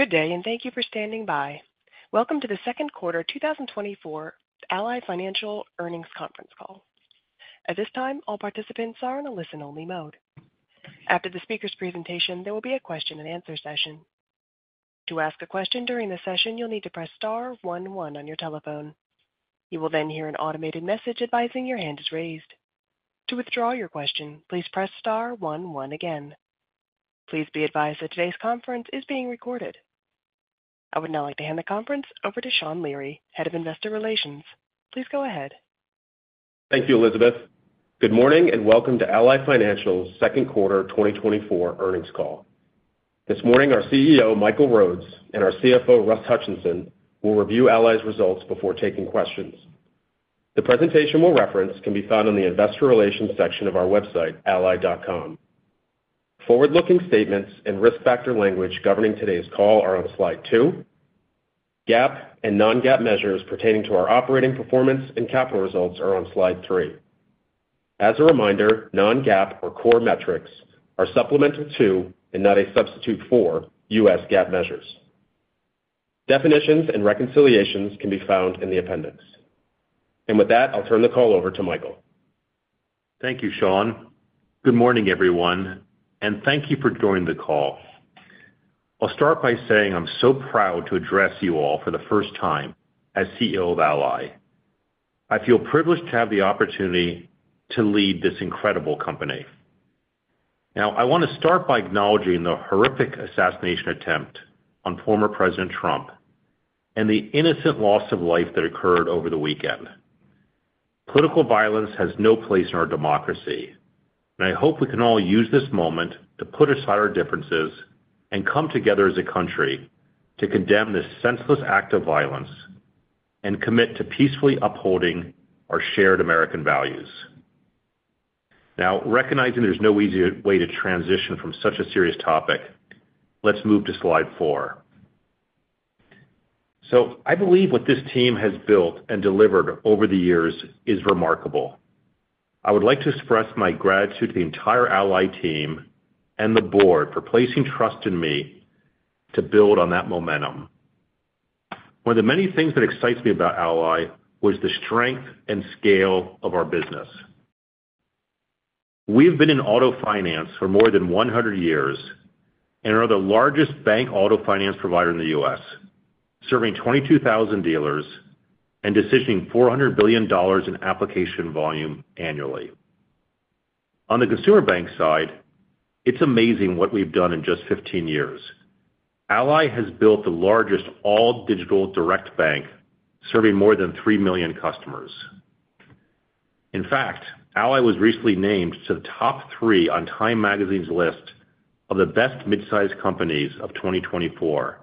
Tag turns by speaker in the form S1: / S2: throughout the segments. S1: Good day, and thank you for standing by. Welcome to the second quarter 2024 Ally Financial Earnings Conference Call. At this time, all participants are in a listen-only mode. After the speaker's presentation, there will be a question-and-answer session. To ask a question during the session, you'll need to press star one one on your telephone. You will then hear an automated message advising your hand is raised. To withdraw your question, please press star one one again. Please be advised that today's conference is being recorded. I would now like to hand the conference over to Sean Leary, Head of Investor Relations. Please go ahead.
S2: Thank you, Elizabeth. Good morning, and welcome to Ally Financial's second quarter 2024 earnings call. This morning, our CEO, Michael Rhodes, and our CFO, Russ Hutchinson, will review Ally's results before taking questions. The presentation we'll reference can be found on the Investor Relations section of our website, ally.com. Forward-looking statements and risk factor language governing today's call are on Slide 2. GAAP and non-GAAP measures pertaining to our operating performance and capital results are on Slide 3. As a reminder, non-GAAP or core metrics are supplemental to, and not a substitute for, U.S. GAAP measures. Definitions and reconciliations can be found in the appendix. And with that, I'll turn the call over to Michael.
S3: Thank you, Sean. Good morning, everyone, and thank you for joining the call. I'll start by saying I'm so proud to address you all for the first time as CEO of Ally. I feel privileged to have the opportunity to lead this incredible company. Now, I want to start by acknowledging the horrific assassination attempt on former President Trump and the innocent loss of life that occurred over the weekend. Political violence has no place in our democracy, and I hope we can all use this moment to put aside our differences and come together as a country to condemn this senseless act of violence and commit to peacefully upholding our shared American values. Now, recognizing there's no easier way to transition from such a serious topic, let's move to Slide 4. So I believe what this team has built and delivered over the years is remarkable. I would like to express my gratitude to the entire Ally team and the board for placing trust in me to build on that momentum. One of the many things that excites me about Ally was the strength and scale of our business. We've been in auto finance for more than 100 years and are the largest bank auto finance provider in the U.S., serving 22,000 dealers and decisioning $400 billion in application volume annually. On the consumer bank side, it's amazing what we've done in just 15 years. Ally has built the largest all-digital direct bank, serving more than 3 million customers. In fact, Ally was recently named to the top three on Time magazine's list of the best mid-sized companies of 2024,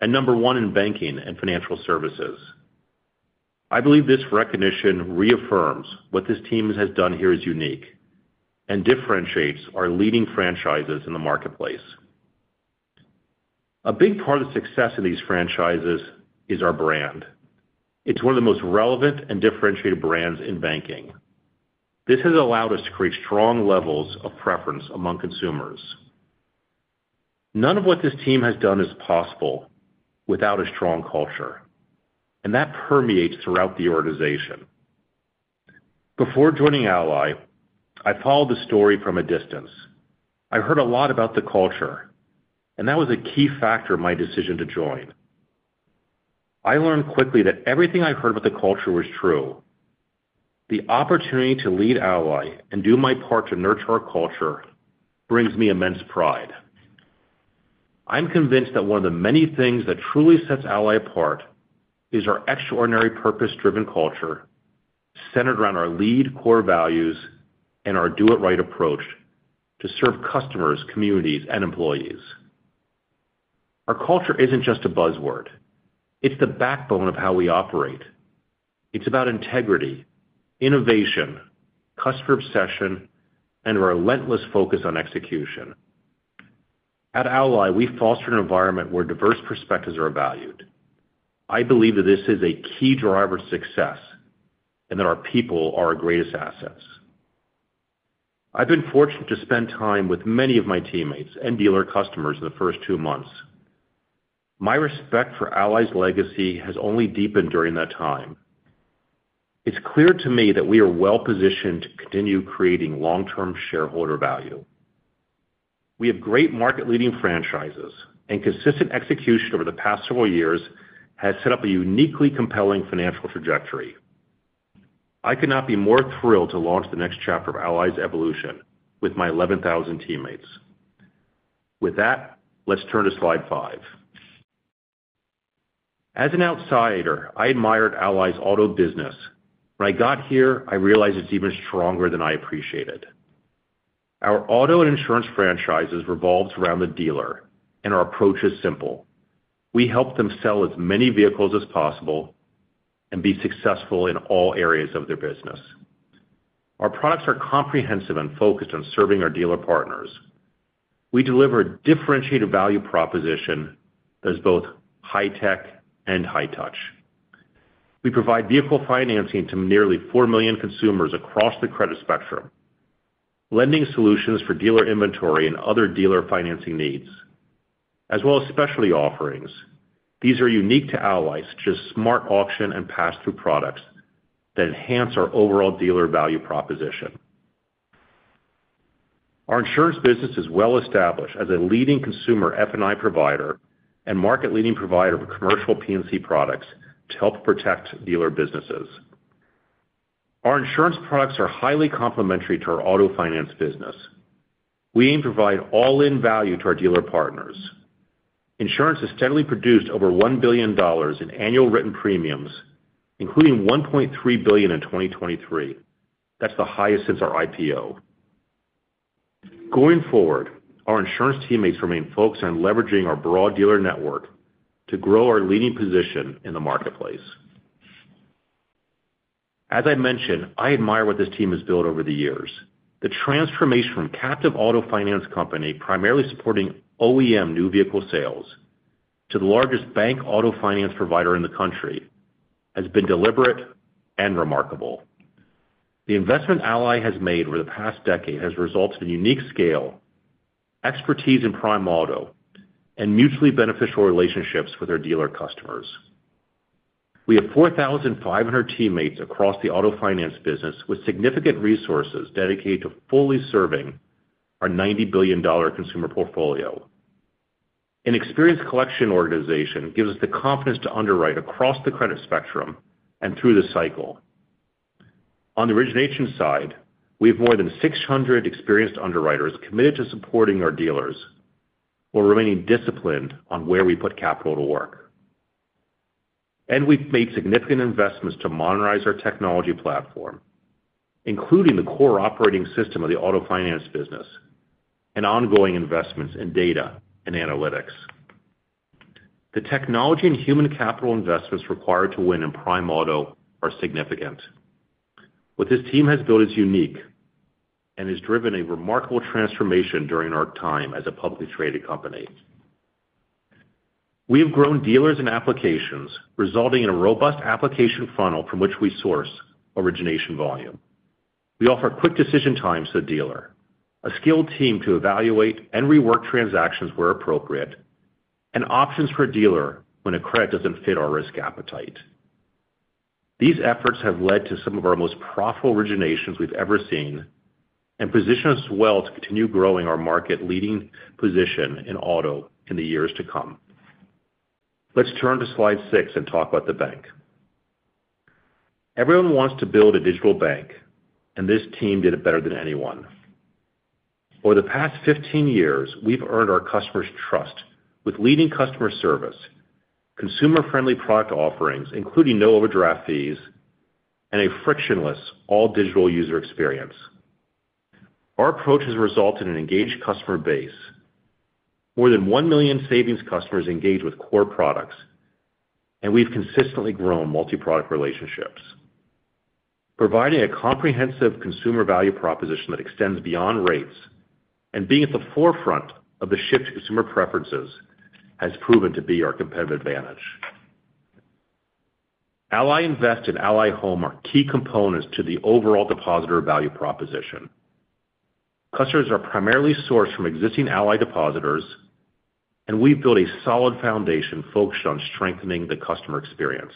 S3: and number one in banking and financial services. I believe this recognition reaffirms what this team has done here is unique and differentiates our leading franchises in the marketplace. A big part of the success of these franchises is our brand. It's one of the most relevant and differentiated brands in banking. This has allowed us to create strong levels of preference among consumers. None of what this team has done is possible without a strong culture, and that permeates throughout the organization. Before joining Ally, I followed the story from a distance. I heard a lot about the culture, and that was a key factor in my decision to join. I learned quickly that everything I heard about the culture was true. The opportunity to lead Ally and do my part to nurture our culture brings me immense pride. I'm convinced that one of the many things that truly sets Ally apart is our extraordinary purpose-driven culture, centered around our lead core values and our do-it-right approach to serve customers, communities, and employees. Our culture isn't just a buzzword, it's the backbone of how we operate. It's about integrity, innovation, customer obsession, and a relentless focus on execution. At Ally, we foster an environment where diverse perspectives are valued. I believe that this is a key driver to success and that our people are our greatest assets. I've been fortunate to spend time with many of my teammates and dealer customers in the first two months. My respect for Ally's legacy has only deepened during that time. It's clear to me that we are well-positioned to continue creating long-term shareholder value. We have great market-leading franchises, and consistent execution over the past several years has set up a uniquely compelling financial trajectory. I could not be more thrilled to launch the next chapter of Ally's evolution with my 11,000 teammates. With that, let's turn to Slide 5. As an outsider, I admired Ally's auto business. When I got here, I realized it's even stronger than I appreciated. Our auto and insurance franchises revolve around the dealer, and our approach is simple. We help them sell as many vehicles as possible and be successful in all areas of their business. Our products are comprehensive and focused on serving our dealer partners. We deliver a differentiated value proposition that is both high tech and high touch.... We provide vehicle financing to nearly 4 million consumers across the credit spectrum, lending solutions for dealer inventory and other dealer financing needs, as well as specialty offerings. These are unique to Ally's, such as SmartAuction and pass-through products that enhance our overall dealer value proposition. Our insurance business is well-established as a leading consumer F&I provider and market-leading provider of commercial P&C products to help protect dealer businesses. Our insurance products are highly complementary to our auto finance business. We aim to provide all-in value to our dealer partners. Insurance has steadily produced over $1 billion in annual written premiums, including $1.3 billion in 2023. That's the highest since our IPO. Going forward, our insurance teammates remain focused on leveraging our broad dealer network to grow our leading position in the marketplace. As I mentioned, I admire what this team has built over the years. The transformation from captive auto finance company, primarily supporting OEM new vehicle sales, to the largest bank auto finance provider in the country, has been deliberate and remarkable. The investment Ally has made over the past decade has resulted in unique scale, expertise in prime auto, and mutually beneficial relationships with our dealer customers. We have 4,500 teammates across the auto finance business, with significant resources dedicated to fully serving our $90 billion consumer portfolio. An experienced collection organization gives us the confidence to underwrite across the credit spectrum and through the cycle. On the origination side, we have more than 600 experienced underwriters committed to supporting our dealers, while remaining disciplined on where we put capital to work. And we've made significant investments to modernize our technology platform, including the core operating system of the auto finance business and ongoing investments in data and analytics. The technology and human capital investments required to win in prime auto are significant. What this team has built is unique and has driven a remarkable transformation during our time as a publicly traded company. We have grown dealers and applications, resulting in a robust application funnel from which we source origination volume. We offer quick decision times to the dealer, a skilled team to evaluate and rework transactions where appropriate, and options for a dealer when a credit doesn't fit our risk appetite. These efforts have led to some of our most profitable originations we've ever seen and position us well to continue growing our market-leading position in auto in the years to come. Let's turn to slide 6 and talk about the bank. Everyone wants to build a digital bank, and this team did it better than anyone. Over the past 15 years, we've earned our customers' trust with leading customer service, consumer-friendly product offerings, including no overdraft fees, and a frictionless, all-digital user experience. Our approach has resulted in an engaged customer base. More than 1 million savings customers engage with core products, and we've consistently grown multi-product relationships. Providing a comprehensive consumer value proposition that extends beyond rates and being at the forefront of the shift to consumer preferences has proven to be our competitive advantage. Ally Invest and Ally Home are key components to the overall depositor value proposition. Customers are primarily sourced from existing Ally depositors, and we've built a solid foundation focused on strengthening the customer experience.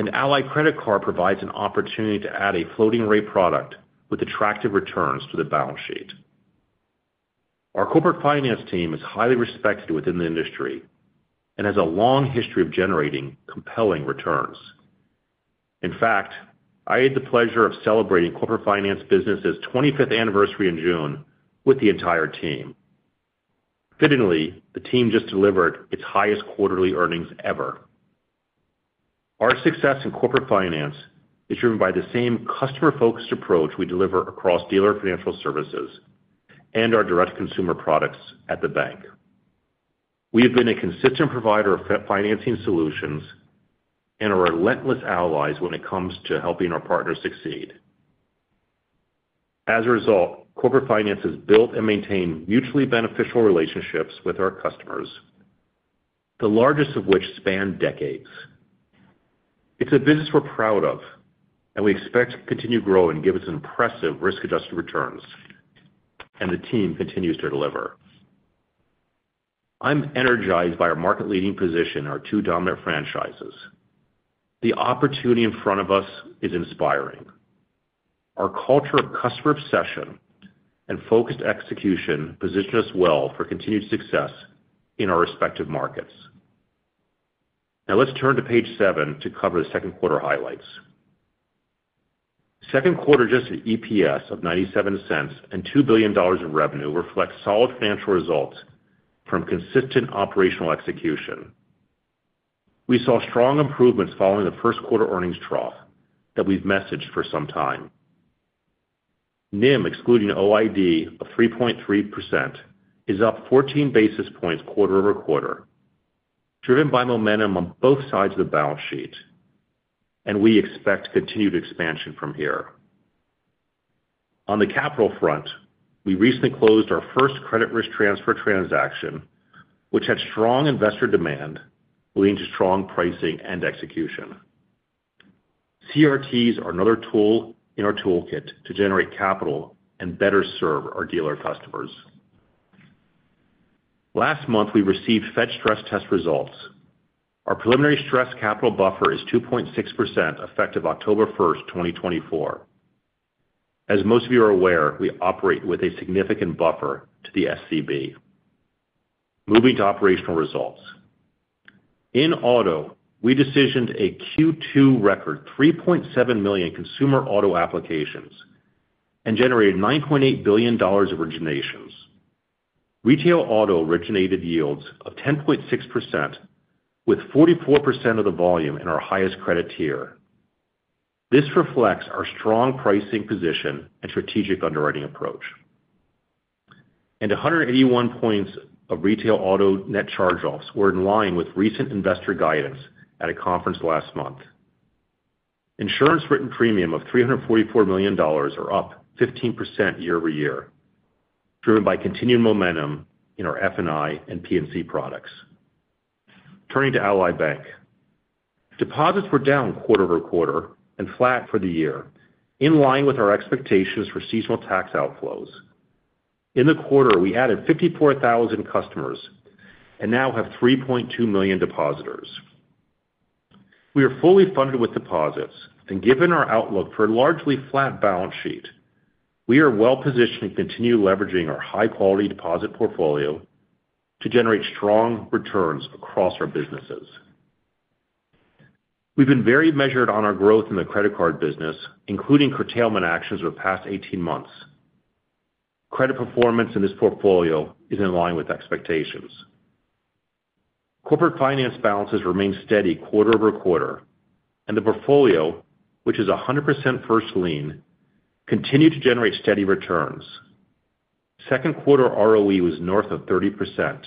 S3: An Ally Credit Card provides an opportunity to add a floating rate product with attractive returns to the balance sheet. Our corporate finance team is highly respected within the industry and has a long history of generating compelling returns. In fact, I had the pleasure of celebrating corporate finance business' 25th anniversary in June with the entire team. Fittingly, the team just delivered its highest quarterly earnings ever. Our success in corporate finance is driven by the same customer-focused approach we deliver across dealer financial services and our direct consumer products at the bank. We have been a consistent provider of financing solutions and are relentless allies when it comes to helping our partners succeed. As a result, corporate finance has built and maintained mutually beneficial relationships with our customers, the largest of which span decades. It's a business we're proud of, and we expect to continue to grow and give us impressive risk-adjusted returns, and the team continues to deliver. I'm energized by our market-leading position in our two dominant franchises. The opportunity in front of us is inspiring. Our culture of customer obsession and focused execution position us well for continued success in our respective markets. Now, let's turn to page 7 to cover the second quarter highlights. Second quarter adjusted EPS of $0.97 and $2 billion in revenue reflect solid financial results from consistent operational execution. We saw strong improvements following the first quarter earnings trough that we've messaged for some time. NIM, excluding OID of 3.3%, is up 14 basis points quarter-over-quarter, driven by momentum on both sides of the balance sheet, and we expect continued expansion from here. On the capital front, we recently closed our first credit risk transfer transaction, which had strong investor demand, leading to strong pricing and execution. CRTs are another tool in our toolkit to generate capital and better serve our dealer customers. Last month, we received Fed stress test results. Our preliminary stress capital buffer is 2.6%, effective October 1, 2024. As most of you are aware, we operate with a significant buffer to the SCB. Moving to operational results. In auto, we decisioned a Q2 record, 3.7 million consumer auto applications, and generated $9.8 billion originations. Retail auto originated yields of 10.6%, with 44% of the volume in our highest credit tier. This reflects our strong pricing position and strategic underwriting approach. 181 points of retail auto net charge-offs were in line with recent investor guidance at a conference last month. Insurance written premium of $344 million are up 15% year-over-year, driven by continued momentum in our F&I and P&C products. Turning to Ally Bank. Deposits were down quarter-over-quarter and flat for the year, in line with our expectations for seasonal tax outflows. In the quarter, we added 54,000 customers and now have 3.2 million depositors. We are fully funded with deposits, and given our outlook for a largely flat balance sheet, we are well-positioned to continue leveraging our high-quality deposit portfolio to generate strong returns across our businesses. We've been very measured on our growth in the credit card business, including curtailment actions over the past 18 months. Credit performance in this portfolio is in line with expectations. Corporate finance balances remain steady quarter-over-quarter, and the portfolio, which is 100% first lien, continued to generate steady returns. Second quarter ROE was north of 30%,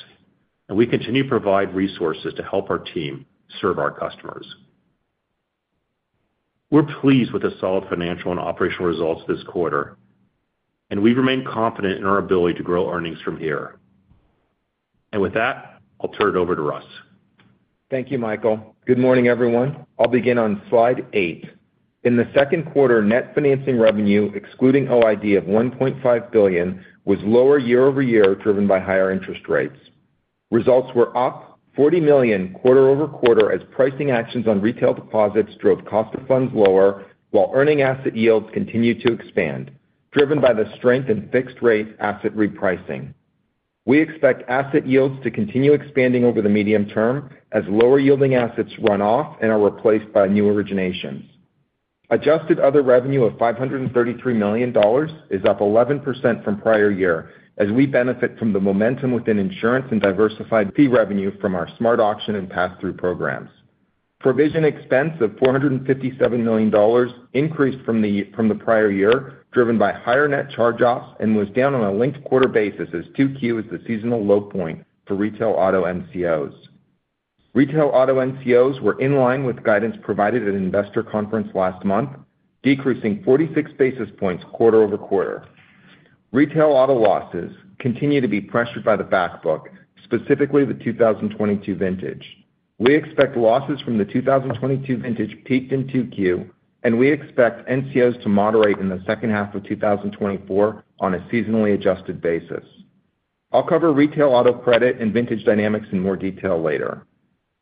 S3: and we continue to provide resources to help our team serve our customers. We're pleased with the solid financial and operational results this quarter, and we remain confident in our ability to grow earnings from here. With that, I'll turn it over to Russ.
S4: Thank you, Michael. Good morning, everyone. I'll begin on slide 8. In the second quarter, net financing revenue, excluding OID of $1.5 billion, was lower year over year, driven by higher interest rates. Results were up $40 million quarter over quarter, as pricing actions on retail deposits drove cost of funds lower, while earning asset yields continued to expand, driven by the strength in fixed rate asset repricing. We expect asset yields to continue expanding over the medium term as lower-yielding assets run off and are replaced by new originations. Adjusted other revenue of $533 million is up 11% from prior year, as we benefit from the momentum within insurance and diversified fee revenue from our SmartAuction and passthrough programs. Provision expense of $457 million increased from the prior year, driven by higher net charge-offs, and was down on a linked-quarter basis as 2Q is the seasonal low point for retail auto NCOs. Retail auto NCOs were in line with guidance provided at an investor conference last month, decreasing 46 basis points quarter over quarter. Retail auto losses continue to be pressured by the back book, specifically the 2022 vintage. We expect losses from the 2022 vintage peaked in 2Q, and we expect NCOs to moderate in the second half of 2024 on a seasonally adjusted basis. I'll cover retail auto credit and vintage dynamics in more detail later.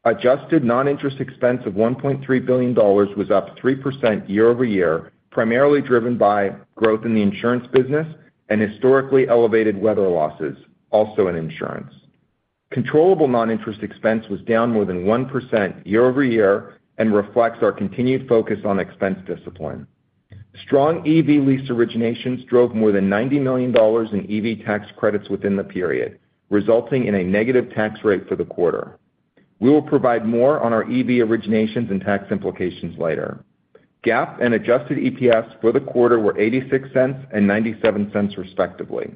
S4: Adjusted non-interest expense of $1.3 billion was up 3% year-over-year, primarily driven by growth in the insurance business and historically elevated weather losses, also in insurance. Controllable non-interest expense was down more than 1% year-over-year and reflects our continued focus on expense discipline. Strong EV lease originations drove more than $90 million in EV tax credits within the period, resulting in a negative tax rate for the quarter. We will provide more on our EV originations and tax implications later. GAAP and adjusted EPS for the quarter were $0.86 and $0.97, respectively.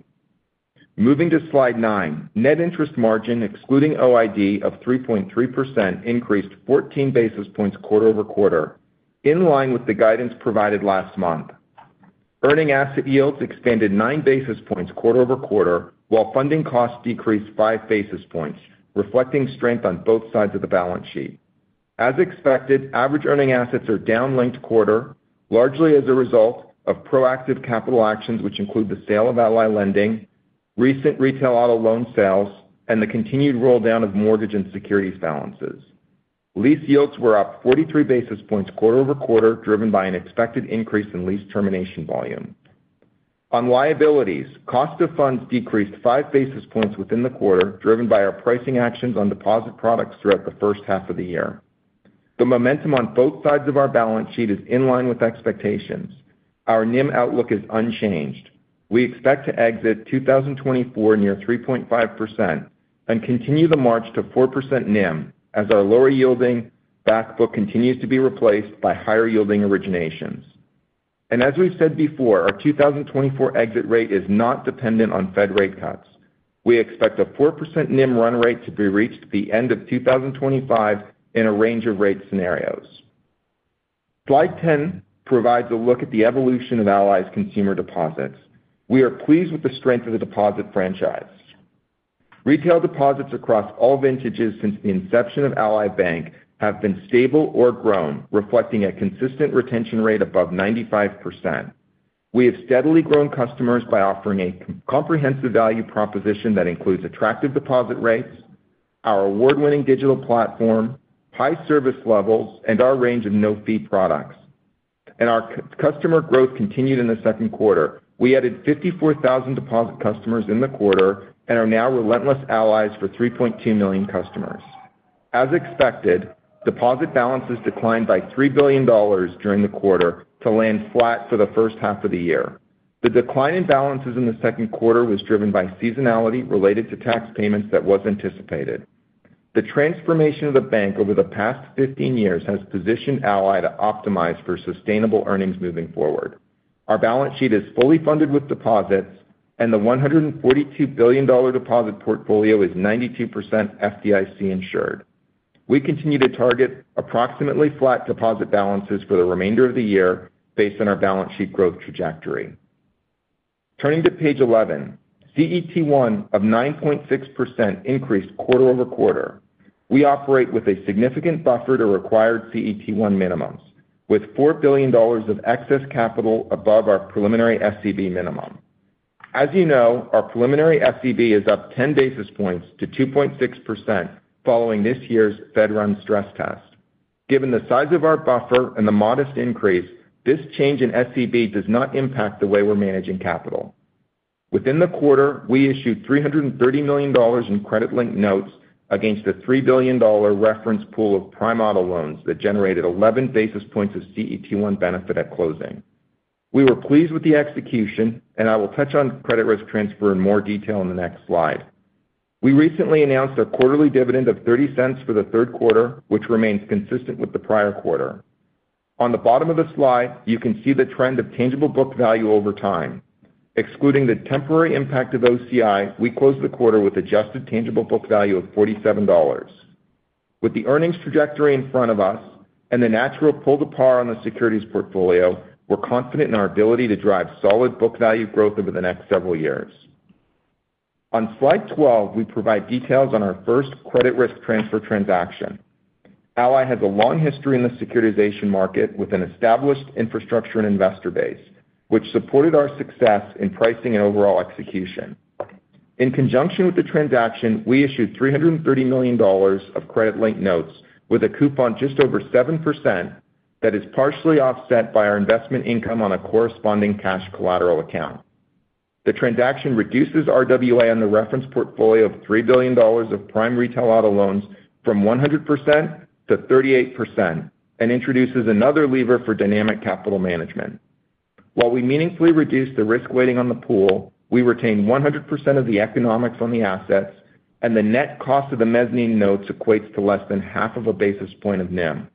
S4: Moving to Slide 9. Net interest margin, excluding OID of 3.3%, increased 14 basis points quarter-over-quarter, in line with the guidance provided last month. Earning asset yields expanded 9 basis points quarter-over-quarter, while funding costs decreased 5 basis points, reflecting strength on both sides of the balance sheet. As expected, average earning assets are down linked quarter, largely as a result of proactive capital actions, which include the sale of Ally Lending, recent retail auto loan sales, and the continued roll down of mortgage and securities balances. Lease yields were up 43 basis points quarter-over-quarter, driven by an expected increase in lease termination volume. On liabilities, cost of funds decreased 5 basis points within the quarter, driven by our pricing actions on deposit products throughout the first half of the year. The momentum on both sides of our balance sheet is in line with expectations. Our NIM outlook is unchanged. We expect to exit 2024 near 3.5% and continue the march to 4% NIM as our lower-yielding back book continues to be replaced by higher-yielding originations. And as we've said before, our 2024 exit rate is not dependent on Fed rate cuts. We expect a 4% NIM run rate to be reached at the end of 2025 in a range of rate scenarios. Slide 10 provides a look at the evolution of Ally's consumer deposits. We are pleased with the strength of the deposit franchise. Retail deposits across all vintages since the inception of Ally Bank have been stable or grown, reflecting a consistent retention rate above 95%. We have steadily grown customers by offering a comprehensive value proposition that includes attractive deposit rates, our award-winning digital platform, high service levels, and our range of no-fee products. Our customer growth continued in the second quarter. We added 54,000 deposit customers in the quarter and are now Relentless Allies for 3.2 million customers. As expected, deposit balances declined by $3 billion during the quarter to land flat for the first half of the year. The decline in balances in the second quarter was driven by seasonality related to tax payments that was anticipated. The transformation of the bank over the past 15 years has positioned Ally to optimize for sustainable earnings moving forward. Our balance sheet is fully funded with deposits, and the $142 billion deposit portfolio is 92% FDIC insured. We continue to target approximately flat deposit balances for the remainder of the year based on our balance sheet growth trajectory. Turning to page 11, CET1 of 9.6% increased quarter-over-quarter. We operate with a significant buffer to required CET1 minimums, with $4 billion of excess capital above our preliminary SCB minimum. As you know, our preliminary SCB is up 10 basis points to 2.6% following this year's Fed-run stress test. Given the size of our buffer and the modest increase, this change in SCB does not impact the way we're managing capital. Within the quarter, we issued $330 million in credit-linked notes against a $3 billion reference pool of prime auto loans that generated 11 basis points of CET1 benefit at closing. We were pleased with the execution, and I will touch on credit risk transfer in more detail in the next slide. We recently announced a quarterly dividend of $0.30 for the third quarter, which remains consistent with the prior quarter. On the bottom of the slide, you can see the trend of tangible book value over time. Excluding the temporary impact of OCI, we closed the quarter with adjusted tangible book value of $47. With the earnings trajectory in front of us and the natural pull to par on the securities portfolio, we're confident in our ability to drive solid book value growth over the next several years. On slide 12, we provide details on our first credit risk transfer transaction. Ally has a long history in the securitization market with an established infrastructure and investor base, which supported our success in pricing and overall execution. In conjunction with the transaction, we issued $330 million of credit-linked notes with a coupon just over 7% that is partially offset by our investment income on a corresponding cash collateral account. The transaction reduces RWA on the reference portfolio of $3 billion of prime retail auto loans from 100% to 38% and introduces another lever for dynamic capital management. While we meaningfully reduce the risk weighting on the pool, we retain 100% of the economics on the assets, and the net cost of the mezzanine notes equates to less than 0.5 basis points of NIM.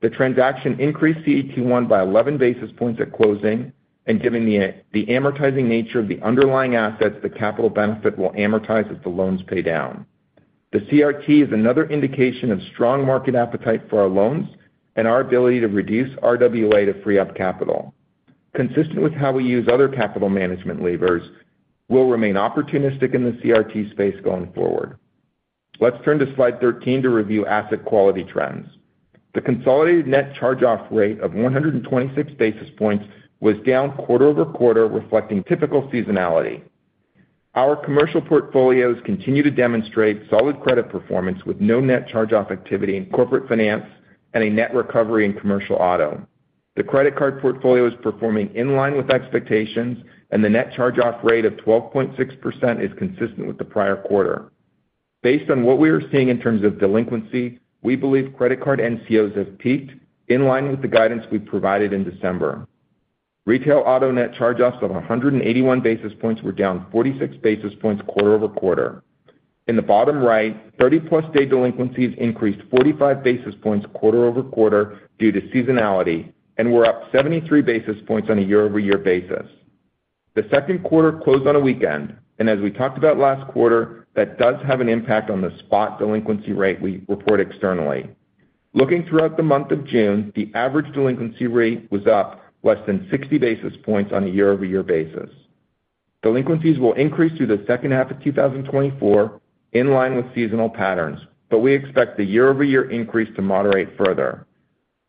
S4: The transaction increased CET1 by 11 basis points at closing, and given the amortizing nature of the underlying assets, the capital benefit will amortize as the loans pay down. The CRT is another indication of strong market appetite for our loans and our ability to reduce RWA to free up capital. Consistent with how we use other capital management levers, we'll remain opportunistic in the CRT space going forward. Let's turn to slide 13 to review asset quality trends. The consolidated net charge-off rate of 126 basis points was down quarter-over-quarter, reflecting typical seasonality. Our commercial portfolios continue to demonstrate solid credit performance with no net charge-off activity in corporate finance and a net recovery in commercial auto. The credit card portfolio is performing in line with expectations, and the net charge-off rate of 12.6% is consistent with the prior quarter. Based on what we are seeing in terms of delinquency, we believe credit card NCOs have peaked in line with the guidance we provided in December. Retail auto net charge-offs of 181 basis points were down 46 basis points quarter-over-quarter. In the bottom right, 30+ day delinquencies increased 45 basis points quarter-over-quarter due to seasonality, and were up 73 basis points on a year-over-year basis. The second quarter closed on a weekend, and as we talked about last quarter, that does have an impact on the spot delinquency rate we report externally. Looking throughout the month of June, the average delinquency rate was up less than 60 basis points on a year-over-year basis. Delinquencies will increase through the second half of 2024, in line with seasonal patterns, but we expect the year-over-year increase to moderate further.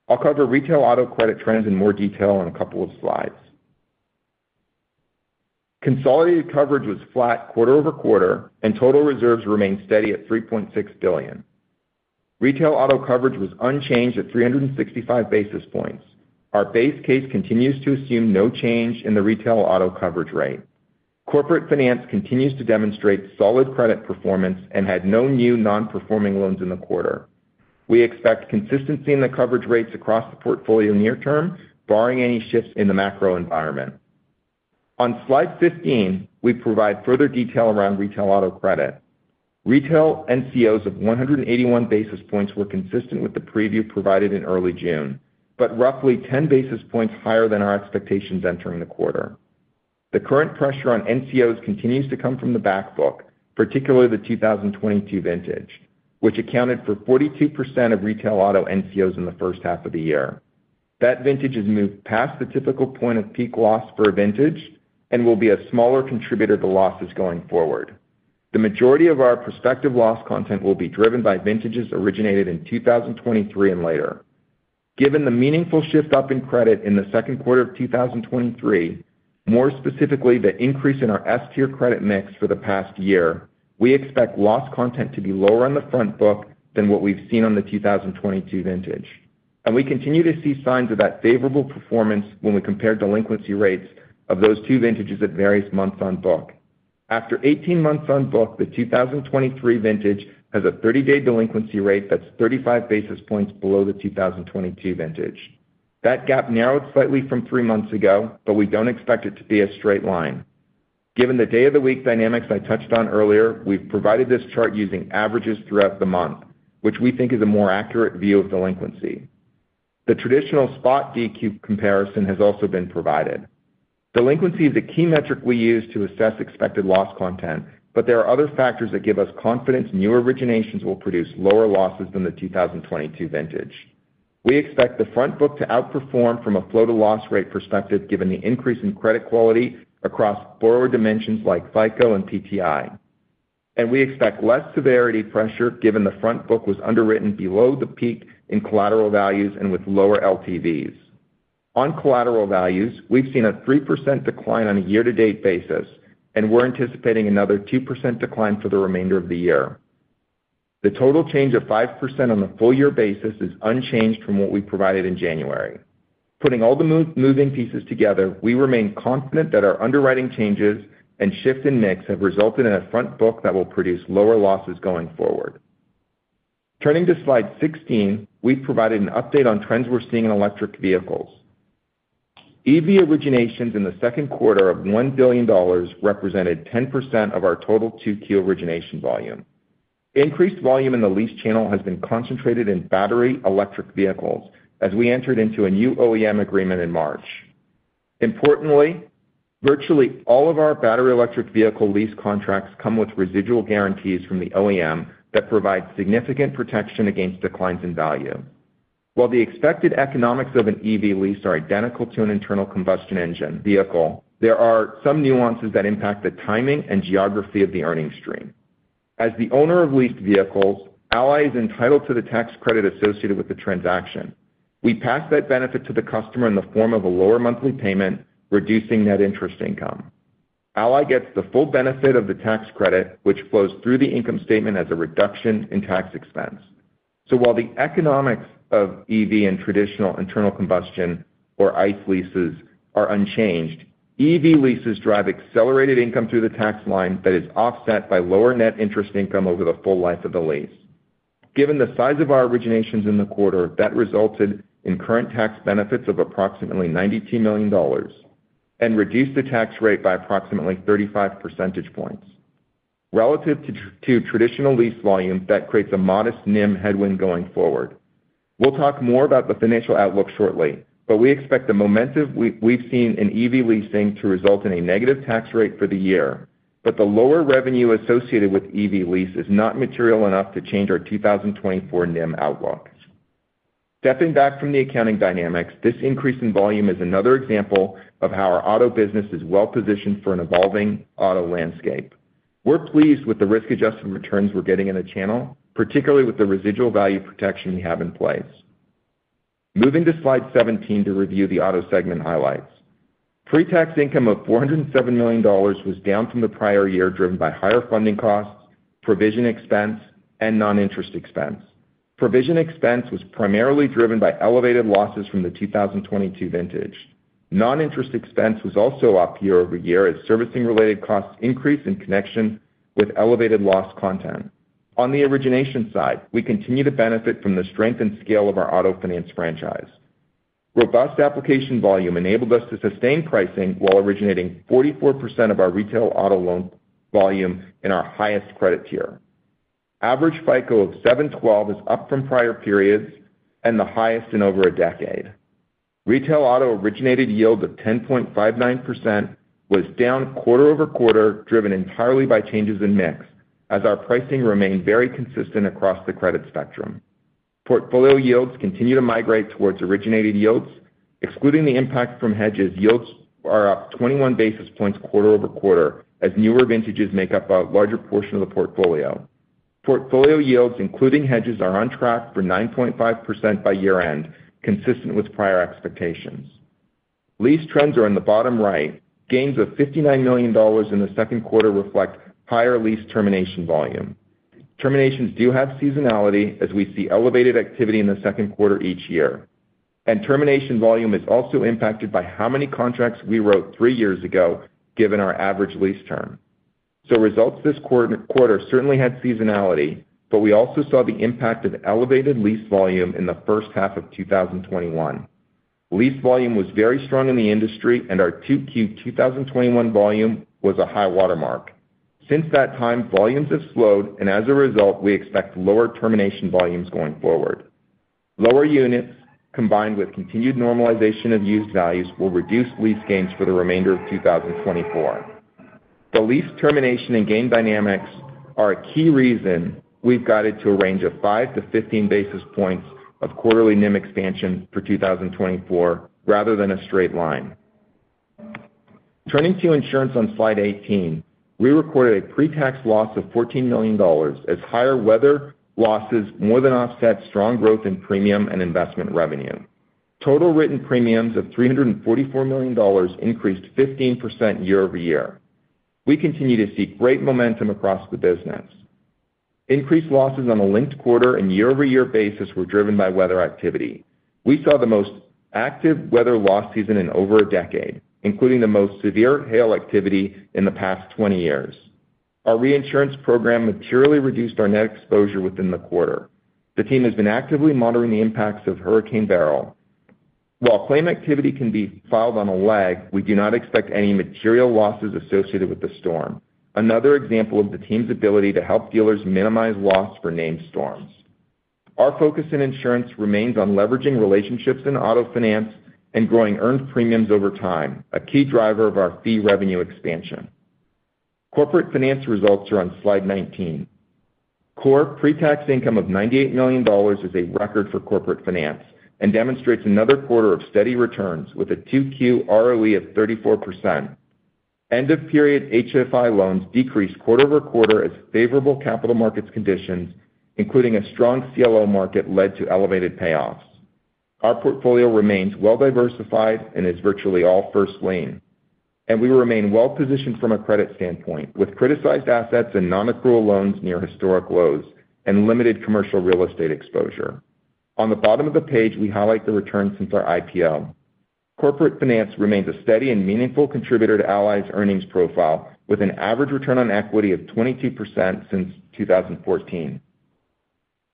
S4: I'll cover retail auto credit trends in more detail in a couple of slides. Consolidated coverage was flat quarter-over-quarter, and total reserves remained steady at $3.6 billion. Retail auto coverage was unchanged at 365 basis points. Our base case continues to assume no change in the retail auto coverage rate. Corporate finance continues to demonstrate solid credit performance and had no new non-performing loans in the quarter. We expect consistency in the coverage rates across the portfolio near term, barring any shifts in the macro environment. On slide 15, we provide further detail around retail auto credit. Retail NCOs of 181 basis points were consistent with the preview provided in early June, but roughly 10 basis points higher than our expectations entering the quarter. The current pressure on NCOs continues to come from the back book, particularly the 2022 vintage, which accounted for 42% of retail auto NCOs in the first half of the year. That vintage has moved past the typical point of peak loss for a vintage and will be a smaller contributor to losses going forward. The majority of our prospective loss content will be driven by vintages originated in 2023 and later. Given the meaningful shift up in credit in the second quarter of 2023, more specifically, the increase in our S-Tier credit mix for the past year, we expect loss content to be lower on the front book than what we've seen on the 2022 vintage. We continue to see signs of that favorable performance when we compare delinquency rates of those two vintages at various months on book. After 18 months on book, the 2023 vintage has a 30-day delinquency rate that's 35 basis points below the 2022 vintage. That gap narrowed slightly from 3 months ago, but we don't expect it to be a straight line. Given the day of the week dynamics I touched on earlier, we've provided this chart using averages throughout the month, which we think is a more accurate view of delinquency. The traditional spot DQ comparison has also been provided. Delinquency is a key metric we use to assess expected loss content, but there are other factors that give us confidence newer originations will produce lower losses than the 2022 vintage. We expect the front book to outperform from a flow-to-loss rate perspective, given the increase in credit quality across borrower dimensions like FICO and PTI. And we expect less severity pressure, given the front book was underwritten below the peak in collateral values and with lower LTVs. On collateral values, we've seen a 3% decline on a year-to-date basis, and we're anticipating another 2% decline for the remainder of the year. The total change of 5% on a full year basis is unchanged from what we provided in January. Putting all the moving pieces together, we remain confident that our underwriting changes and shift in mix have resulted in a front book that will produce lower losses going forward. Turning to Slide 16, we've provided an update on trends we're seeing in electric vehicles. EV originations in the second quarter of $1 billion represented 10% of our total 2Q origination volume. Increased volume in the lease channel has been concentrated in battery electric vehicles as we entered into a new OEM agreement in March. Importantly, virtually all of our battery electric vehicle lease contracts come with residual guarantees from the OEM that provide significant protection against declines in value. While the expected economics of an EV lease are identical to an internal combustion engine vehicle, there are some nuances that impact the timing and geography of the earnings stream. As the owner of leased vehicles, Ally is entitled to the tax credit associated with the transaction. We pass that benefit to the customer in the form of a lower monthly payment, reducing net interest income. Ally gets the full benefit of the tax credit, which flows through the income statement as a reduction in tax expense. So while the economics of EV and traditional internal combustion, or ICE leases, are unchanged, EV leases drive accelerated income through the tax line that is offset by lower net interest income over the full life of the lease. Given the size of our originations in the quarter, that resulted in current tax benefits of approximately $92 million and reduced the tax rate by approximately 35 percentage points. Relative to traditional lease volumes, that creates a modest NIM headwind going forward. We'll talk more about the financial outlook shortly, but we expect the momentum we've seen in EV leasing to result in a negative tax rate for the year. But the lower revenue associated with EV lease is not material enough to change our 2024 NIM outlook. Stepping back from the accounting dynamics, this increase in volume is another example of how our auto business is well positioned for an evolving auto landscape. We're pleased with the risk-adjusted returns we're getting in the channel, particularly with the residual value protection we have in place. Moving to Slide 17 to review the auto segment highlights. Pre-tax income of $407 million was down from the prior year, driven by higher funding costs, provision expense, and non-interest expense. Provision expense was primarily driven by elevated losses from the 2022 vintage. Non-interest expense was also up year-over-year as servicing-related costs increased in connection with elevated loss content. On the origination side, we continue to benefit from the strength and scale of our auto finance franchise. Robust application volume enabled us to sustain pricing while originating 44% of our retail auto loan volume in our highest credit tier. Average FICO of 712 is up from prior periods and the highest in over a decade. Retail auto originated yield of 10.59% was down quarter over quarter, driven entirely by changes in mix, as our pricing remained very consistent across the credit spectrum. Portfolio yields continue to migrate towards originated yields. Excluding the impact from hedges, yields are up 21 basis points quarter over quarter, as newer vintages make up a larger portion of the portfolio. Portfolio yields, including hedges, are on track for 9.5% by year-end, consistent with prior expectations. Lease trends are on the bottom right. Gains of $59 million in the second quarter reflect higher lease termination volume. Terminations do have seasonality, as we see elevated activity in the second quarter each year. Termination volume is also impacted by how many contracts we wrote three years ago, given our average lease term. Results this quarter certainly had seasonality, but we also saw the impact of elevated lease volume in the first half of 2021... Lease volume was very strong in the industry, and our 2Q 2021 volume was a high watermark. Since that time, volumes have slowed, and as a result, we expect lower termination volumes going forward. Lower units, combined with continued normalization of used values, will reduce lease gains for the remainder of 2024. The lease termination and gain dynamics are a key reason we've guided to a range of 5-15 basis points of quarterly NIM expansion for 2024, rather than a straight line. Turning to insurance on slide 18, we recorded a pretax loss of $14 million as higher weather losses more than offset strong growth in premium and investment revenue. Total written premiums of $344 million increased 15% year-over-year. We continue to see great momentum across the business. Increased losses on a linked quarter and year-over-year basis were driven by weather activity. We saw the most active weather loss season in over a decade, including the most severe hail activity in the past 20 years. Our reinsurance program materially reduced our net exposure within the quarter. The team has been actively monitoring the impacts of Hurricane Beryl. While claim activity can be filed on a lag, we do not expect any material losses associated with the storm, another example of the team's ability to help dealers minimize loss for named storms. Our focus in insurance remains on leveraging relationships in auto finance and growing earned premiums over time, a key driver of our fee revenue expansion. Corporate finance results are on slide 19. Core pretax income of $98 million is a record for corporate finance and demonstrates another quarter of steady returns with a 2Q ROE of 34%. End of period HFI loans decreased quarter-over-quarter as favorable capital markets conditions, including a strong CLO market, led to elevated payoffs. Our portfolio remains well-diversified and is virtually all first lien, and we remain well-positioned from a credit standpoint, with criticized assets and nonaccrual loans near historic lows and limited commercial real estate exposure. On the bottom of the page, we highlight the return since our IPO. Corporate finance remains a steady and meaningful contributor to Ally's earnings profile, with an average return on equity of 22% since 2014.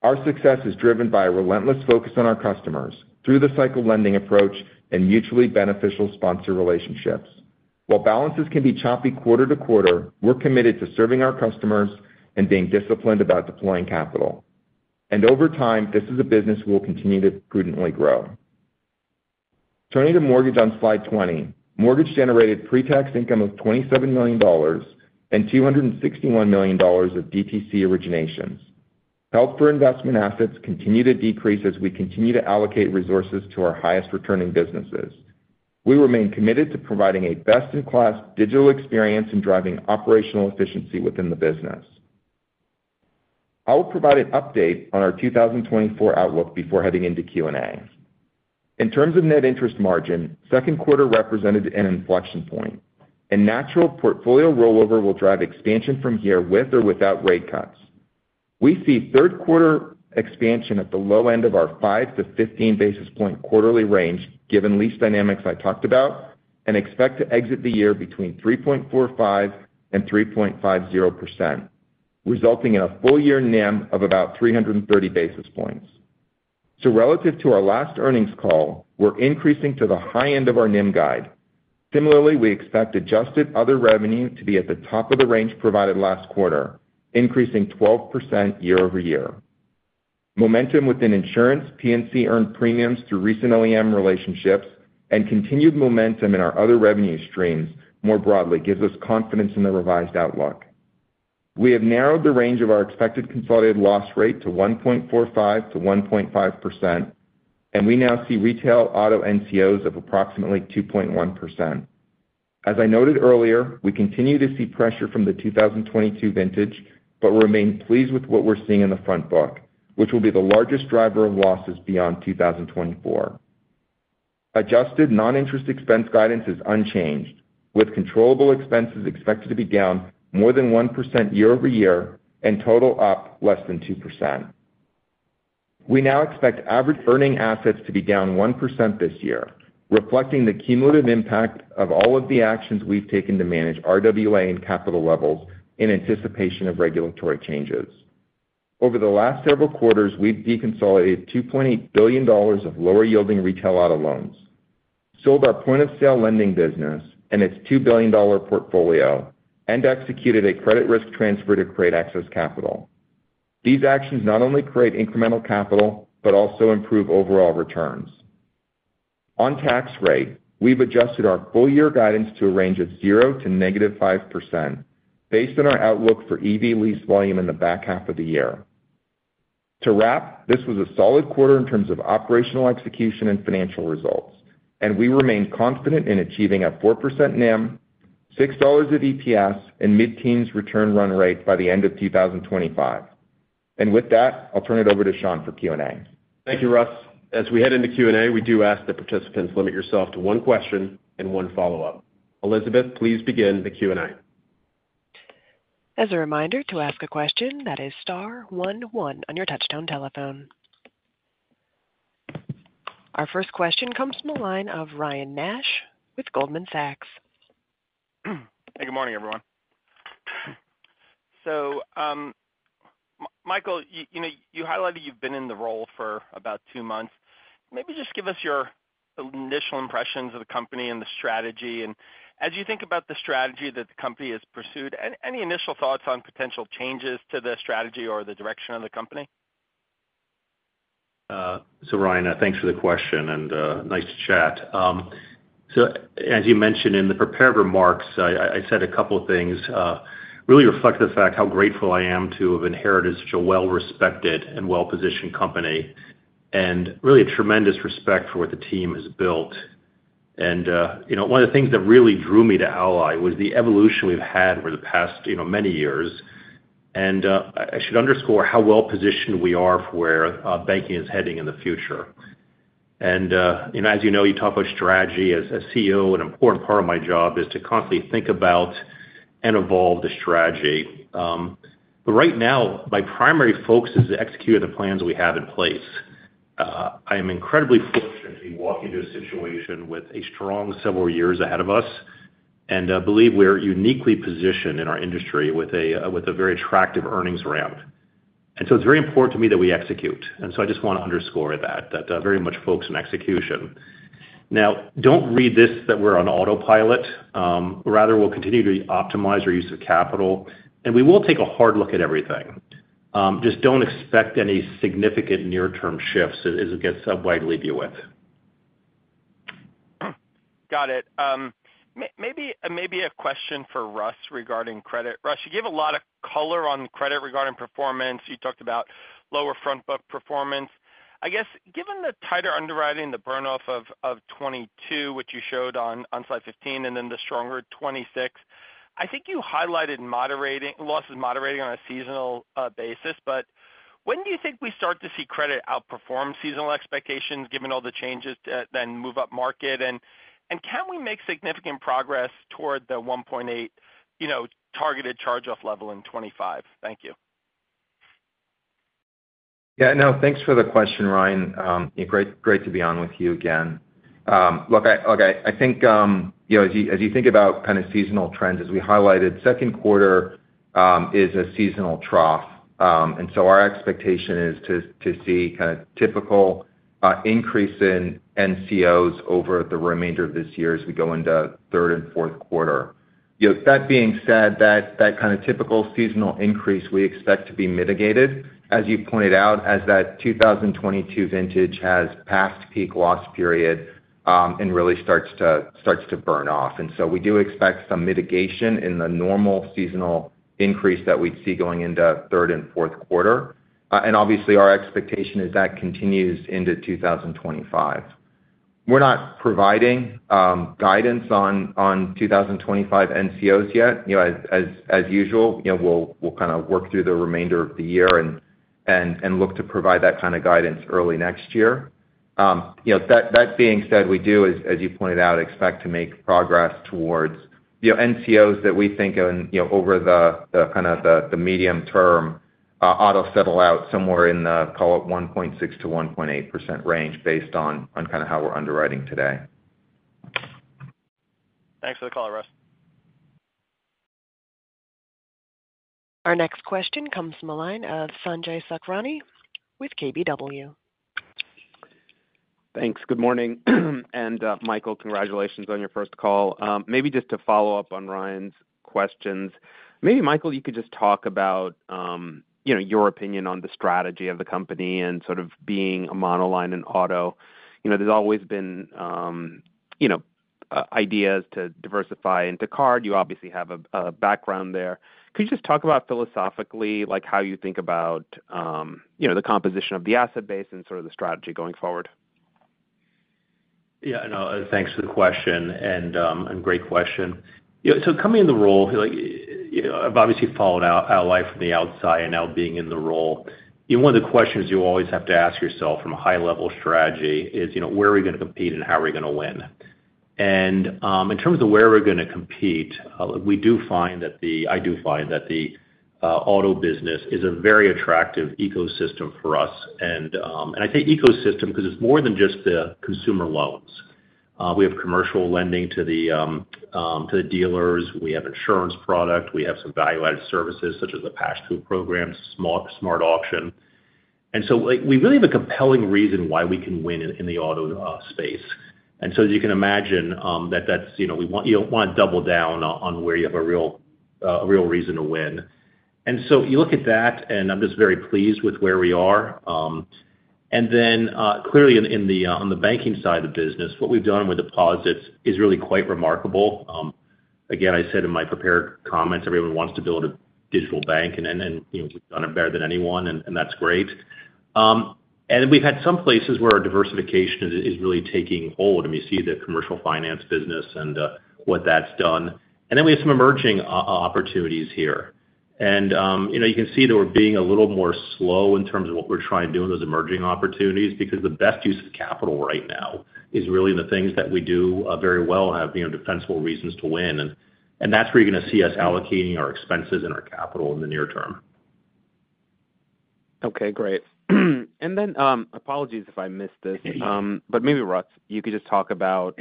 S4: Our success is driven by a relentless focus on our customers through the cycle lending approach and mutually beneficial sponsor relationships. While balances can be choppy quarter to quarter, we're committed to serving our customers and being disciplined about deploying capital. Over time, this is a business we'll continue to prudently grow. Turning to mortgage on slide 20. Mortgage generated pre-tax income of $27 million and $261 million of DTC originations. Held for investment assets continue to decrease as we continue to allocate resources to our highest-returning businesses. We remain committed to providing a best-in-class digital experience in driving operational efficiency within the business. I will provide an update on our 2024 outlook before heading into Q&A. In terms of net interest margin, second quarter represented an inflection point, and natural portfolio rollover will drive expansion from here with or without rate cuts. We see third quarter expansion at the low end of our 5-15 basis point quarterly range, given lease dynamics I talked about, and expect to exit the year between 3.45% and 3.50%, resulting in a full-year NIM of about 330 basis points. So relative to our last earnings call, we're increasing to the high end of our NIM guide. Similarly, we expect adjusted other revenue to be at the top of the range provided last quarter, increasing 12% year-over-year. Momentum within insurance, PNC earned premiums through recent OEM relationships, and continued momentum in our other revenue streams more broadly gives us confidence in the revised outlook. We have narrowed the range of our expected consolidated loss rate to 1.45%-1.5%, and we now see retail auto NCOs of approximately 2.1%. As I noted earlier, we continue to see pressure from the 2022 vintage, but remain pleased with what we're seeing in the front book, which will be the largest driver of losses beyond 2024. Adjusted non-interest expense guidance is unchanged, with controllable expenses expected to be down more than 1% year over year and total up less than 2%. We now expect average earning assets to be down 1% this year, reflecting the cumulative impact of all of the actions we've taken to manage RWA and capital levels in anticipation of regulatory changes. Over the last several quarters, we've deconsolidated $2.8 billion of lower-yielding retail auto loans, sold our point-of-sale lending business and its $2 billion portfolio, and executed a credit risk transfer to create excess capital. These actions not only create incremental capital, but also improve overall returns. On tax rate, we've adjusted our full year guidance to a range of 0% to -5%, based on our outlook for EV lease volume in the back half of the year. To wrap, this was a solid quarter in terms of operational execution and financial results, and we remain confident in achieving a 4% NIM, $6 of EPS, and mid-teens return run rate by the end of 2025. And with that, I'll turn it over to Sean for Q&A.
S2: Thank you, Russ. As we head into Q&A, we do ask that participants limit yourself to one question and one follow-up. Elizabeth, please begin the Q&A.
S1: As a reminder, to ask a question, that is star one one on your touchtone telephone. Our first question comes from the line of Ryan Nash with Goldman Sachs.
S5: Hey, good morning, everyone.... Michael, you know, you highlighted you've been in the role for about two months. Maybe just give us your initial impressions of the company and the strategy? And as you think about the strategy that the company has pursued, any initial thoughts on potential changes to the strategy or the direction of the company?
S3: So Ryan, thanks for the question and nice to chat. So as you mentioned in the prepared remarks, I said a couple of things really reflect the fact how grateful I am to have inherited such a well-respected and well-positioned company, and really a tremendous respect for what the team has built. You know, one of the things that really drew me to Ally was the evolution we've had over the past, you know, many years. I should underscore how well-positioned we are for where banking is heading in the future. As you know, you talk about strategy. As CEO, an important part of my job is to constantly think about and evolve the strategy. But right now, my primary focus is to execute the plans we have in place. I am incredibly fortunate to walk into a situation with a strong several years ahead of us, and believe we're uniquely positioned in our industry with a very attractive earnings ramp. And so it's very important to me that we execute, and so I just want to underscore that very much focused on execution. Now, don't read this that we're on autopilot. Rather, we'll continue to optimize our use of capital, and we will take a hard look at everything. Just don't expect any significant near-term shifts, is I guess what I'd leave you with.
S6: Got it. Maybe a question for Russ regarding credit. Russ, you gave a lot of color on credit regarding performance. You talked about lower front book performance. I guess, given the tighter underwriting, the burn-off of 2022, which you showed on slide 15, and then the stronger 2026, I think you highlighted losses moderating on a seasonal basis. But when do you think we start to see credit outperform seasonal expectations, given all the changes to then move up market? And can we make significant progress toward the 1.8, you know, targeted charge-off level in 2025? Thank you.
S4: Yeah, no, thanks for the question, Ryan. Yeah, great to be on with you again. Look, I think, you know, as you think about kind of seasonal trends, as we highlighted, second quarter is a seasonal trough. And so our expectation is to see kind of typical increase in NCOs over the remainder of this year as we go into third and fourth quarter. You know, that being said, that kind of typical seasonal increase, we expect to be mitigated, as you pointed out, as that 2022 vintage has passed peak loss period, and really starts to burn off. And so we do expect some mitigation in the normal seasonal increase that we'd see going into third and fourth quarter. And obviously, our expectation is that continues into 2025. We're not providing guidance on 2025 NCOs yet. You know, as usual, you know, we'll kind of work through the remainder of the year and look to provide that kind of guidance early next year. You know, that being said, we do, as you pointed out, expect to make progress towards, you know, NCOs that we think of, and you know, over the kind of medium term, auto settle out somewhere in the, call it, 1.6%-1.8% range, based on kind of how we're underwriting today.
S5: Thanks for the call, Russ.
S1: Our next question comes from the line of Sanjay Sakhrani with KBW.
S5: Thanks. Good morning. And, Michael, congratulations on your first call. Maybe just to follow up on Ryan's questions. Maybe, Michael, you could just talk about, you know, your opinion on the strategy of the company and sort of being a monoline in auto. You know, there's always been ideas to diversify into card. You obviously have a background there. Could you just talk about philosophically, like, how you think about, you know, the composition of the asset base and sort of the strategy going forward?
S3: Yeah, no, thanks for the question, and, and great question. You know, so coming in the role, like, you know, I've obviously followed Ally from the outside and now being in the role, you know, one of the questions you always have to ask yourself from a high-level strategy is, you know, where are we gonna compete, and how are we gonna win? And, in terms of where we're gonna compete, I do find that the auto business is a very attractive ecosystem for us. And, and I say ecosystem because it's more than just the consumer loans. We have commercial lending to the to the dealers. We have insurance product. We have some value-added services, such as the Pass Through program, Smart Option. And so, like, we really have a compelling reason why we can win in the auto space. And so as you can imagine, that that's, you know, we want... You don't want to double down on where you have a real reason to win. And so you look at that, and I'm just very pleased with where we are. And then, clearly, on the banking side of the business, what we've done with deposits is really quite remarkable. Again, I said in my prepared comments, everyone wants to build a digital bank, and, you know, we've done it better than anyone, and that's great. And we've had some places where our diversification is really taking hold, and we see the commercial finance business and what that's done. And then we have some emerging opportunities here. And, you know, you can see that we're being a little more slow in terms of what we're trying to do in those emerging opportunities, because the best use of capital right now is really the things that we do very well and have, you know, defensible reasons to win. And that's where you're gonna see us allocating our expenses and our capital in the near term....
S5: Okay, great. And then, apologies if I missed this, but maybe Russ, you could just talk about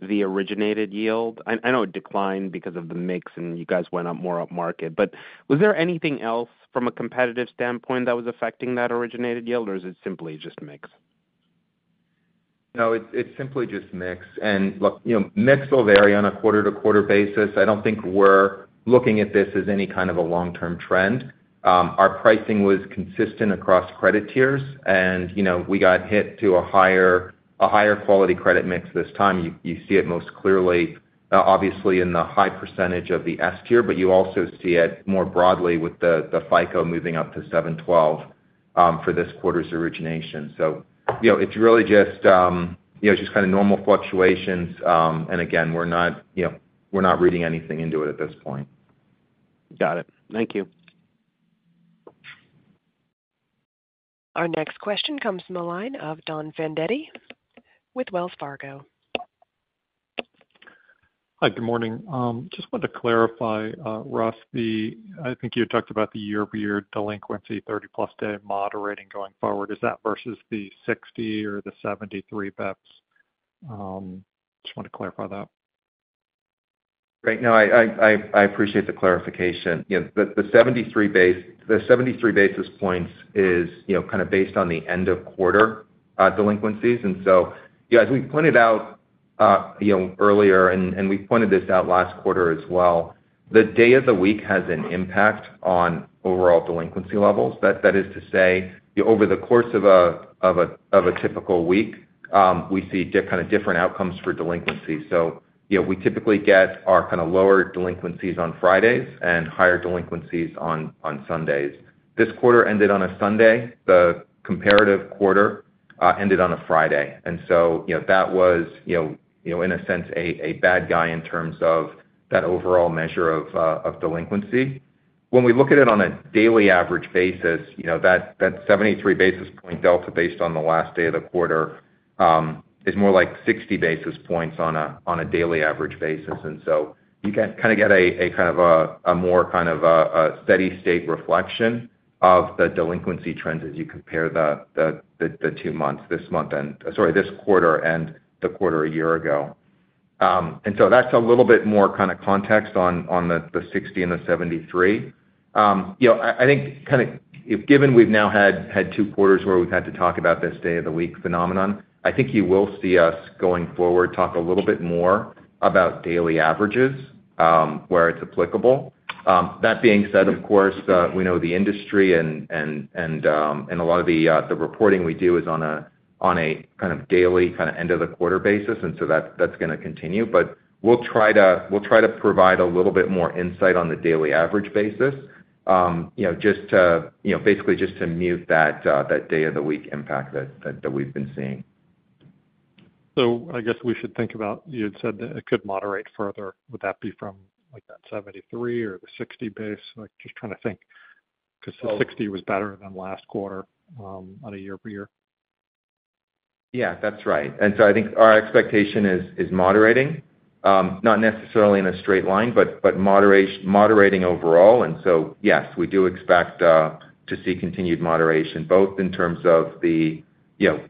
S5: the originated yield. I, I know it declined because of the mix and you guys went up more upmarket, but was there anything else from a competitive standpoint that was affecting that originated yield, or is it simply just mix?
S4: No, it's simply just mix. And look, you know, mix will vary on a quarter-to-quarter basis. I don't think we're looking at this as any kind of a long-term trend. Our pricing was consistent across credit tiers and, you know, we got hit to a higher quality credit mix this time. You see it most clearly, obviously in the high percentage of the S tier, but you also see it more broadly with the FICO moving up to 712 for this quarter's origination. So, you know, it's really just, you know, just kind of normal fluctuations. And again, we're not, you know, we're not reading anything into it at this point.
S5: Got it. Thank you.
S1: Our next question comes from the line of Don Fandetti with Wells Fargo.
S7: Hi, good morning. Just wanted to clarify, Russ, I think you talked about the year-over-year delinquency, 30+ day moderating going forward. Is that versus the 60 or the 73 basis points? Just want to clarify that.
S4: Great. No, I appreciate the clarification. You know, the 73 basis points is, you know, kind of based on the end of quarter delinquencies. And so, you guys, we pointed out, you know, earlier, and we pointed this out last quarter as well, the day of the week has an impact on overall delinquency levels. That is to say, over the course of a typical week, we see kind of different outcomes for delinquencies. So, you know, we typically get our kind of lower delinquencies on Fridays and higher delinquencies on Sundays. This quarter ended on a Sunday. The comparative quarter ended on a Friday, and so, you know, that was, you know, in a sense, a bad guy in terms of that overall measure of delinquency. When we look at it on a daily average basis, you know, that 73 basis point delta based on the last day of the quarter is more like 60 basis points on a daily average basis. And so you can kind of get a more steady state reflection of the delinquency trends as you compare the two months, this month end, sorry, this quarter and the quarter a year ago. And so that's a little bit more kind of context on the 60 and the 73. You know, I think kind of given we've now had two quarters where we've had to talk about this day of the week phenomenon, I think you will see us, going forward, talk a little bit more about daily averages, where it's applicable. That being said, of course, we know the industry and and a lot of the reporting we do is on a kind of daily, kind of end of the quarter basis, and so that's gonna continue. But we'll try to provide a little bit more insight on the daily average basis, you know, just to, you know, basically just to mute that day of the week impact that we've been seeing.
S7: So I guess we should think about... You had said that it could moderate further. Would that be from, like, that 73 or the 60 base? Like, just trying to think, because the 60 was better than last quarter, on a year-over-year.
S4: Yeah, that's right. And so I think our expectation is moderating, not necessarily in a straight line, but moderating overall. And so, yes, we do expect to see continued moderation, both in terms of the, you know,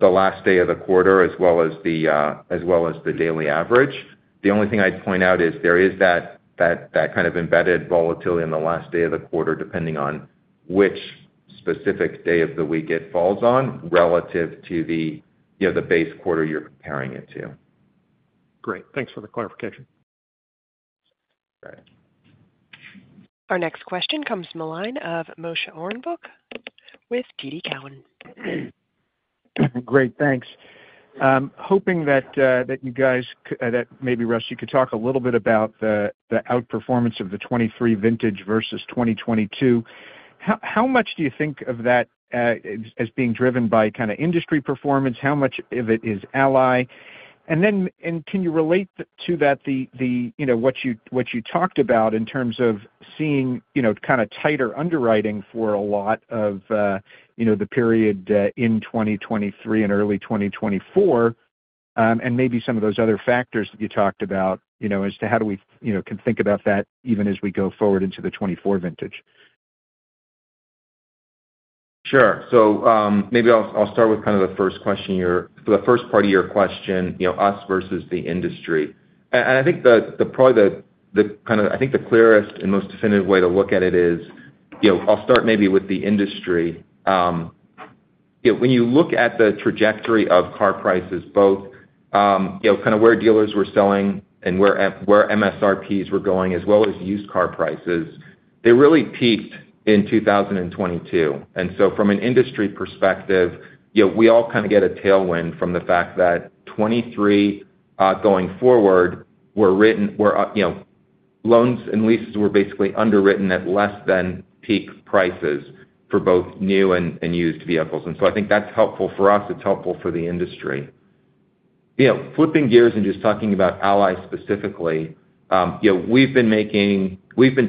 S4: the last day of the quarter as well as the daily average. The only thing I'd point out is there is that kind of embedded volatility in the last day of the quarter, depending on which specific day of the week it falls on, relative to the, you know, the base quarter you're comparing it to.
S7: Great, thanks for the clarification.
S4: All right.
S1: Our next question comes from the line of Moshe Orenbuch with TD Cowen.
S8: Great, thanks. Hoping that you guys that maybe Russ, you could talk a little bit about the outperformance of the 2023 vintage versus 2022. How much do you think of that as being driven by kind of industry performance? How much of it is Ally? And then, can you relate to that the, you know, what you talked about in terms of seeing, you know, kind of tighter underwriting for a lot of, you know, the period in 2023 and early 2024, and maybe some of those other factors that you talked about, you know, as to how do we, you know, can think about that even as we go forward into the 2024 vintage?
S4: Sure. So, maybe I'll start with kind of the first question, the first part of your question, you know, us versus the industry. And I think the clearest and most definitive way to look at it is, you know, I'll start maybe with the industry. You know, when you look at the trajectory of car prices, both, you know, kind of where dealers were selling and where MSRPs were going, as well as used car prices, they really peaked in 2022. And so from an industry perspective, you know, we all kind of get a tailwind from the fact that 2023 going forward, loans and leases were basically underwritten at less than peak prices for both new and used vehicles. And so I think that's helpful for us. It's helpful for the industry. You know, flipping gears and just talking about Ally specifically, you know, we've been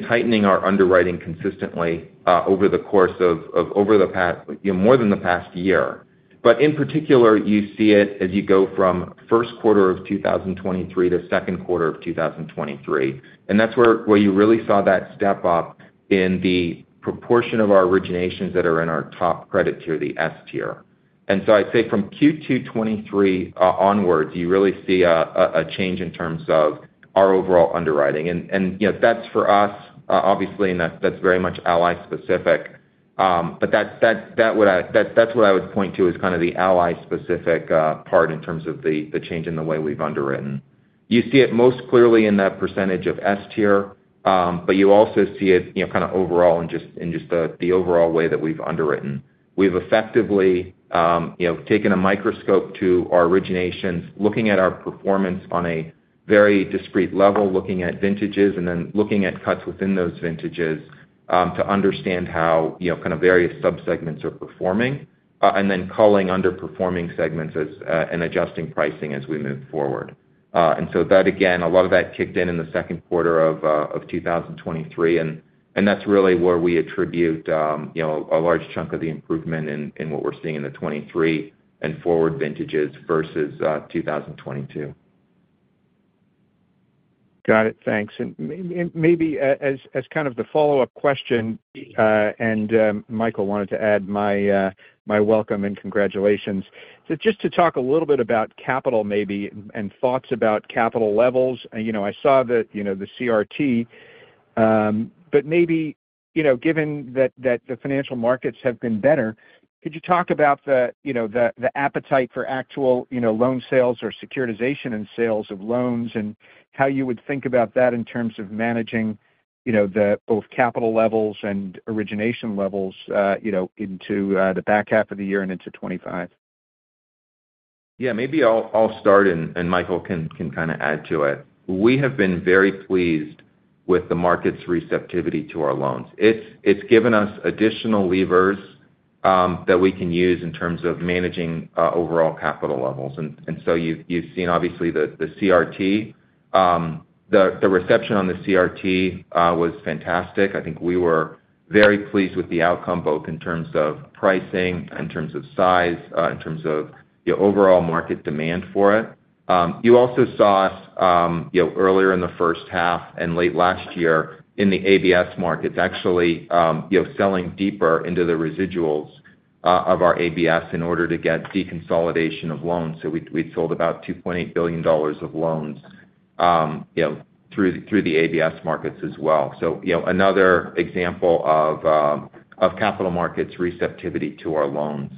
S4: tightening our underwriting consistently over the course of over the past, you know, more than the past year. But in particular, you see it as you go from first quarter of 2023 to second quarter of 2023. And that's where you really saw that step up in the proportion of our originations that are in our top credit tier, the S tier. And so I'd say from Q2 2023 onwards, you really see a change in terms of our overall underwriting. And you know, that's for us, obviously, and that's very much Ally-specific. But that's what I would point to as kind of the Ally-specific part in terms of the change in the way we've underwritten. You see it most clearly in that percentage of S-tier, but you also see it, you know, kind of overall in just the overall way that we've underwritten. We've effectively, you know, taken a microscope to our originations, looking at our performance on a very discrete level, looking at vintages, and then looking at cuts within those vintages, to understand how, you know, kind of various subsegments are performing, and then culling underperforming segments and adjusting pricing as we move forward. And so that, again, a lot of that kicked in in the second quarter of 2023, and that's really where we attribute, you know, a large chunk of the improvement in what we're seeing in the 2023 and forward vintages versus 2022.
S8: Got it. Thanks. And maybe as kind of the follow-up question, and, Michael, wanted to add my welcome and congratulations. So just to talk a little bit about capital maybe and thoughts about capital levels. And, you know, I saw the, you know, the CRT, but maybe, you know, given that the financial markets have been better, could you talk about the, you know, the appetite for actual, you know, loan sales or securitization and sales of loans, and how you would think about that in terms of managing, you know, the both capital levels and origination levels, you know, into the back half of the year and into 2025?
S4: Yeah, maybe I'll start and Michael can kind of add to it. We have been very pleased with the market's receptivity to our loans. It's given us additional levers that we can use in terms of managing overall capital levels. And so you've seen, obviously, the CRT. The reception on the CRT was fantastic. I think we were very pleased with the outcome, both in terms of pricing, in terms of size, in terms of the overall market demand for it. You also saw us, you know, earlier in the first half and late last year in the ABS markets, actually, you know, selling deeper into the residuals of our ABS in order to get deconsolidation of loans. So we'd sold about $2.8 billion of loans, you know, through the ABS markets as well. So, you know, another example of capital markets' receptivity to our loans.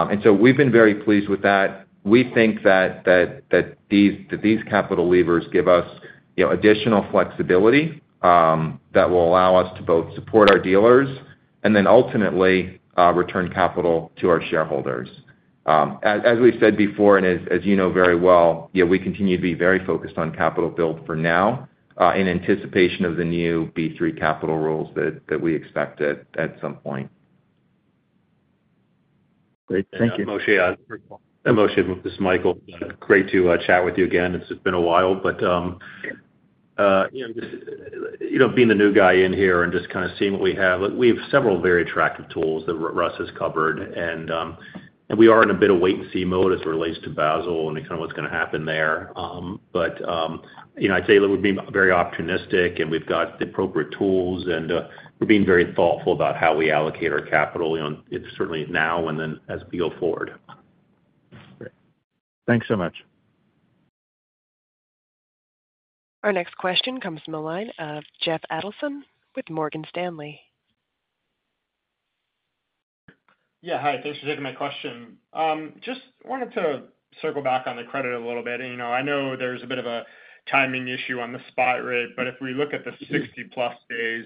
S4: And so we've been very pleased with that. We think that these capital levers give us, you know, additional flexibility that will allow us to both support our dealers and then ultimately return capital to our shareholders. As we've said before, and as you know very well, yeah, we continue to be very focused on capital build for now in anticipation of the new B3 capital rules that we expect at some point.
S8: Great. Thank you.
S3: And Moshe, and Moshe, this is Michael. Great to chat with you again. It's been a while, but, you know, just, you know, being the new guy in here and just kind of seeing what we have, we have several very attractive tools that Russ has covered, and, and we are in a bit of wait and see mode as it relates to Basel and kind of what's gonna happen there. But, you know, I'd say that we've been very opportunistic, and we've got the appropriate tools, and, we're being very thoughtful about how we allocate our capital, you know, it's certainly now and then as we go forward.
S8: Great. Thanks so much.
S1: Our next question comes from the line of Jeff Adelson with Morgan Stanley.
S9: Yeah. Hi, thanks for taking my question. Just wanted to circle back on the credit a little bit. You know, I know there's a bit of a timing issue on the spot rate, but if we look at the 60-plus days,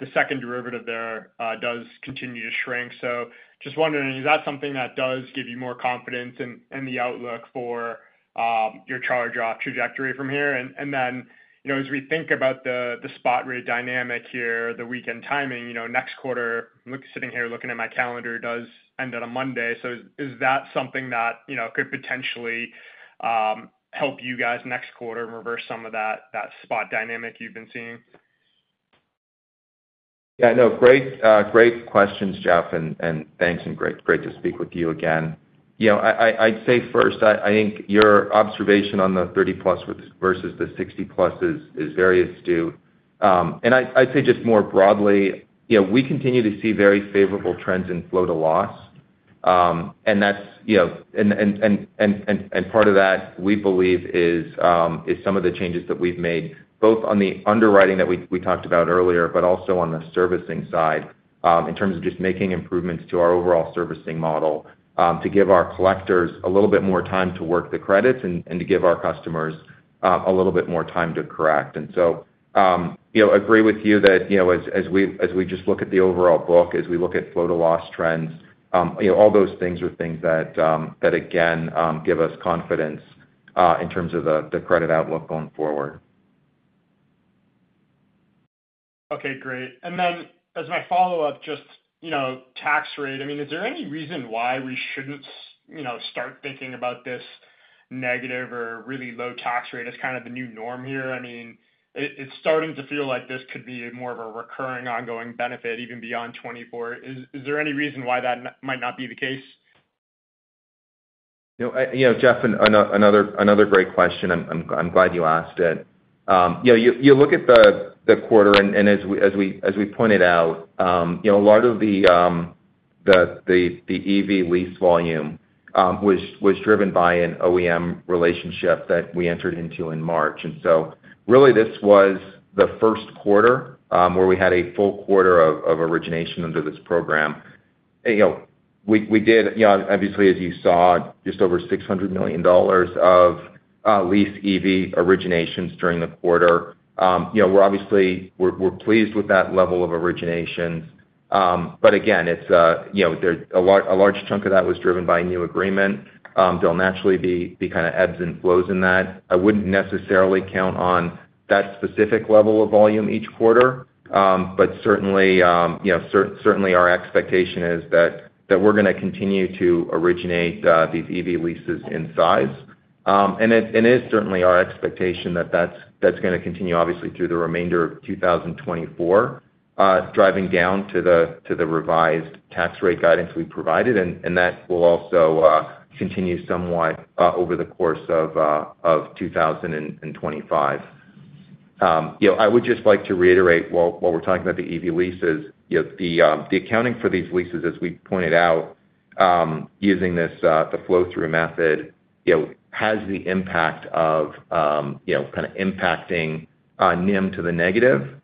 S9: the second derivative there does continue to shrink. So just wondering, is that something that does give you more confidence in the outlook for your charge-off trajectory from here? And then, you know, as we think about the spot rate dynamic here, the weekend timing, you know, next quarter, look, sitting here looking at my calendar, does end on a Monday. So is that something that, you know, could potentially help you guys next quarter reverse some of that spot dynamic you've been seeing?
S4: Yeah, no, great, great questions, Jeff, and, and thanks, and great, great to speak with you again. You know, I'd say first, I think your observation on the 30-plus versus the 60-plus is very astute. And I'd say just more broadly, you know, we continue to see very favorable trends in flow to loss. And that's, you know, and part of that, we believe, is some of the changes that we've made, both on the underwriting that we talked about earlier, but also on the servicing side, in terms of just making improvements to our overall servicing model, to give our collectors a little bit more time to work the credits and to give our customers a little bit more time to correct. You know, agree with you that, you know, as we just look at the overall book, as we look at flow-to-loss trends, you know, all those things are things that, that again, give us confidence in terms of the credit outlook going forward.
S9: Okay, great. And then, as my follow-up, just, you know, tax rate. I mean, is there any reason why we shouldn't, you know, start thinking about this? Negative or really low tax rate as kind of the new norm here? I mean, it's starting to feel like this could be more of a recurring, ongoing benefit, even beyond 2024. Is there any reason why that might not be the case?
S4: You know, Jeff, another great question. I'm glad you asked it. You know, you look at the quarter, and as we pointed out, you know, a lot of the EV lease volume was driven by an OEM relationship that we entered into in March. And so really, this was the first quarter where we had a full quarter of origination under this program. You know, we did, you know, obviously, as you saw, just over $600 million of lease EV originations during the quarter. You know, we're obviously pleased with that level of originations. But again, it's, you know, a large chunk of that was driven by a new agreement. There'll naturally be kind of ebbs and flows in that. I wouldn't necessarily count on that specific level of volume each quarter. But certainly, you know, certainly our expectation is that we're gonna continue to originate these EV leases in size. And it is certainly our expectation that that's gonna continue, obviously, through the remainder of 2024, driving down to the revised tax rate guidance we provided. And that will also continue somewhat over the course of 2025. You know, I would just like to reiterate, while we're talking about the EV leases, you know, the accounting for these leases, as we pointed out, using the flow-through method, you know, has the impact of you know kind of impacting NIM to the negative.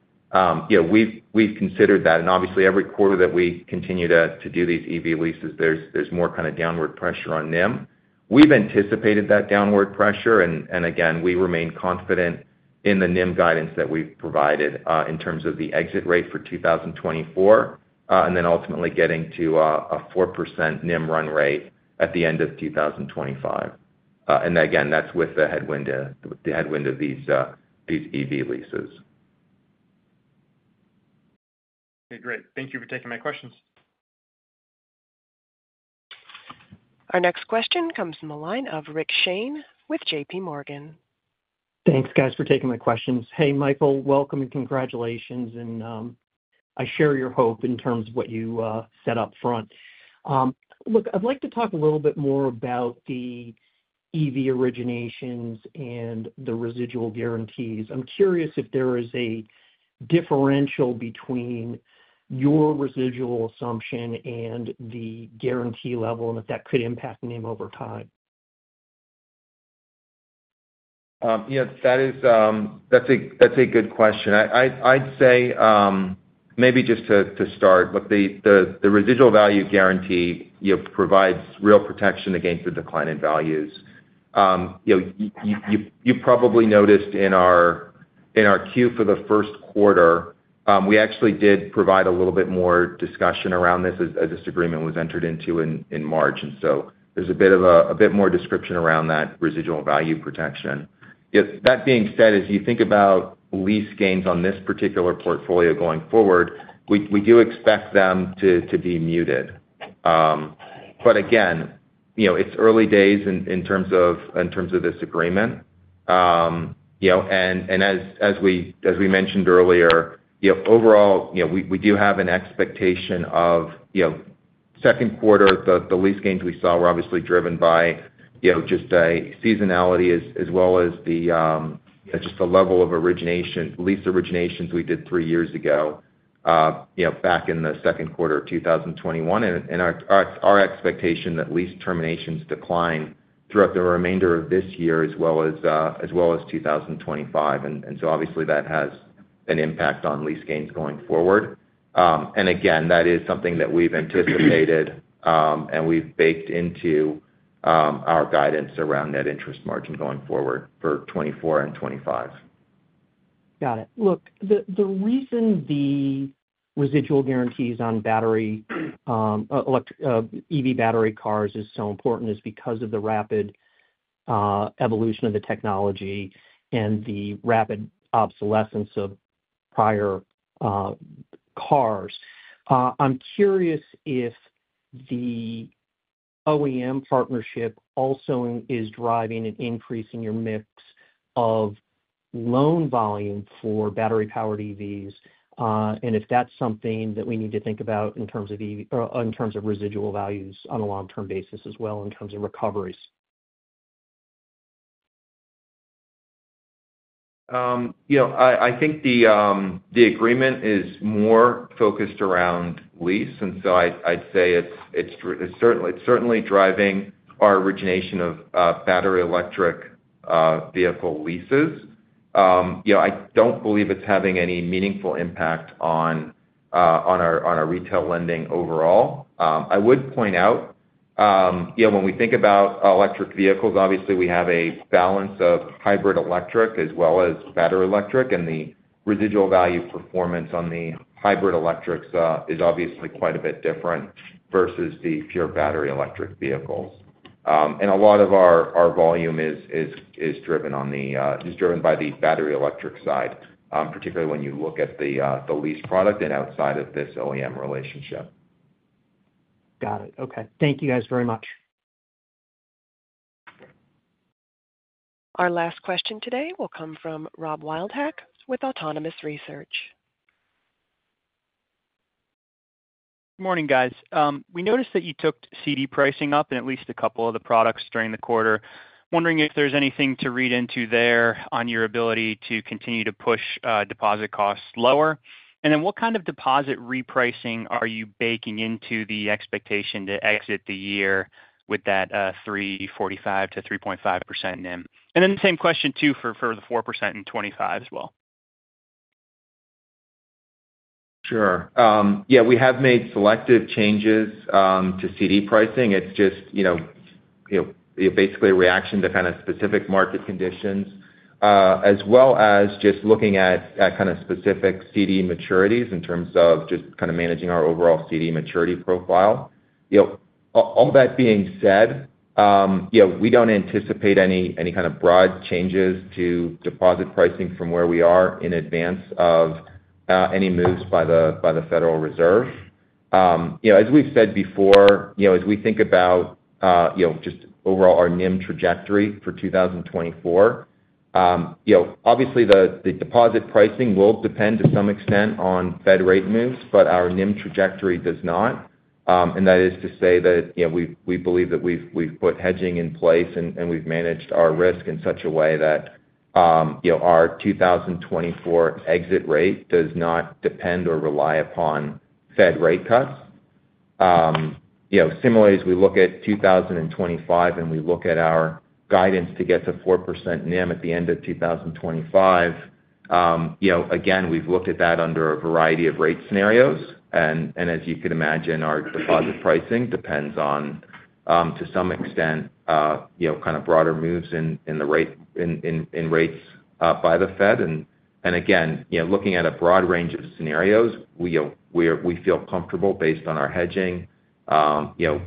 S4: You know, we've considered that, and obviously, every quarter that we continue to do these EV leases, there's more kind of downward pressure on NIM. We've anticipated that downward pressure, and again, we remain confident in the NIM guidance that we've provided, in terms of the exit rate for 2024, and then ultimately getting to a 4% NIM run rate at the end of 2025. And again, that's with the headwind of these EV leases.
S9: Okay, great. Thank you for taking my questions.
S1: Our next question comes from the line of Rick Shane with JPMorgan.
S10: Thanks, guys, for taking my questions. Hey, Michael, welcome and congratulations, and I share your hope in terms of what you said up front. Look, I'd like to talk a little bit more about the EV originations and the residual guarantees. I'm curious if there is a differential between your residual assumption and the guarantee level, and if that could impact NIM over time.
S4: Yeah, that is... That's a good question. I'd say, maybe just to start, look, the residual value guarantee, you know, provides real protection against the decline in values. You know, you probably noticed in our Q for the first quarter, we actually did provide a little bit more discussion around this as this agreement was entered into in March. And so there's a bit more description around that residual value protection. Yet that being said, as you think about lease gains on this particular portfolio going forward, we do expect them to be muted. But again, you know, it's early days in terms of this agreement. You know, and as we mentioned earlier, you know, overall, you know, we do have an expectation of second quarter, the lease gains we saw were obviously driven by, you know, just a seasonality as well as the level of lease originations we did three years ago, you know, back in the second quarter of 2021. And our expectation that lease terminations decline throughout the remainder of this year, as well as 2025. And so obviously, that has an impact on lease gains going forward. And again, that is something that we've anticipated, and we've baked into our guidance around net interest margin going forward for 2024 and 2025.
S10: Got it. Look, the reason the residual guarantees on battery EV battery cars is so important is because of the rapid evolution of the technology and the rapid obsolescence of prior cars. I'm curious if the OEM partnership also is driving an increase in your mix of loan volume for battery-powered EVs, and if that's something that we need to think about in terms of EV- or in terms of residual values on a long-term basis as well, in terms of recoveries.
S4: You know, I think the agreement is more focused around lease, and so I'd say it's certainly driving our origination of battery electric vehicle leases. You know, I don't believe it's having any meaningful impact on our retail lending overall. I would point out, you know, when we think about electric vehicles, obviously, we have a balance of hybrid electric as well as battery electric, and the residual value performance on the hybrid electrics is obviously quite a bit different versus the pure battery electric vehicles. And a lot of our volume is driven by the battery electric side, particularly when you look at the lease product and outside of this OEM relationship....
S10: Got it. Okay. Thank you guys very much.
S1: Our last question today will come from Rob Wildhack with Autonomous Research.
S11: Good morning, guys. We noticed that you took CD pricing up in at least a couple of the products during the quarter. Wondering if there's anything to read into there on your ability to continue to push deposit costs lower. And then what kind of deposit repricing are you baking into the expectation to exit the year with that 3.45%-3.5% NIM? And then the same question, too, for, for the 4% in 2025 as well.
S4: Sure. Yeah, we have made selective changes to CD pricing. It's just, you know, you know, basically a reaction to kind of specific market conditions, as well as just looking at, at kind of specific CD maturities in terms of just kind of managing our overall CD maturity profile. You know, all, all that being said, you know, we don't anticipate any, any kind of broad changes to deposit pricing from where we are in advance of, any moves by the, by the Federal Reserve. You know, as we've said before, you know, as we think about, you know, just overall our NIM trajectory for 2024, you know, obviously the, the deposit pricing will depend to some extent on Fed rate moves, but our NIM trajectory does not. And that is to say that, you know, we believe that we've put hedging in place and we've managed our risk in such a way that, you know, our 2024 exit rate does not depend or rely upon Fed rate cuts. You know, similarly, as we look at 2025 and we look at our guidance to get to 4% NIM at the end of 2025, you know, again, we've looked at that under a variety of rate scenarios. And as you can imagine, our deposit pricing depends on, to some extent, you know, kind of broader moves in the rates by the Fed. And again, you know, looking at a broad range of scenarios, we, you know, we feel comfortable based on our hedging, you know,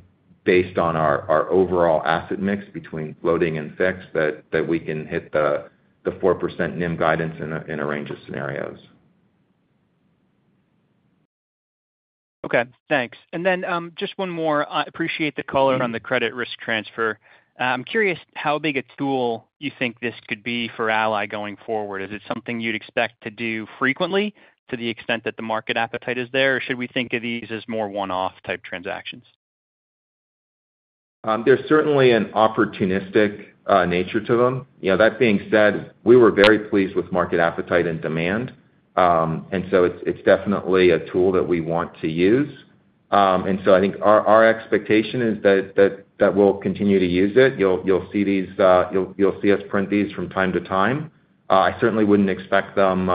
S4: based on our overall asset mix between floating and fixed, that we can hit the 4% NIM guidance in a range of scenarios.
S11: Okay, thanks. And then, just one more. I appreciate the call out on the credit risk transfer. I'm curious how big a tool you think this could be for Ally going forward. Is it something you'd expect to do frequently to the extent that the market appetite is there? Or should we think of these as more one-off type transactions?
S4: There's certainly an opportunistic nature to them. You know, that being said, we were very pleased with market appetite and demand. And so it's definitely a tool that we want to use. And so I think our expectation is that we'll continue to use it. You'll see these. You'll see us print these from time to time. I certainly wouldn't expect them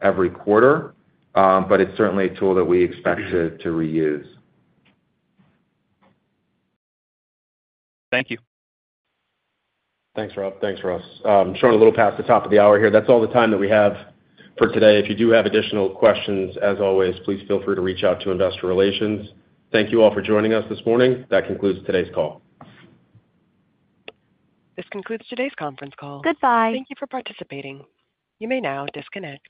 S4: every quarter, but it's certainly a tool that we expect to reuse.
S11: Thank you.
S3: Thanks, Rob. Thanks, Russ. Showing a little past the top of the hour here. That's all the time that we have for today. If you do have additional questions, as always, please feel free to reach out to investor relations. Thank you all for joining us this morning. That concludes today's call.
S1: This concludes today's conference call.
S12: Goodbye.
S1: Thank you for participating. You may now disconnect.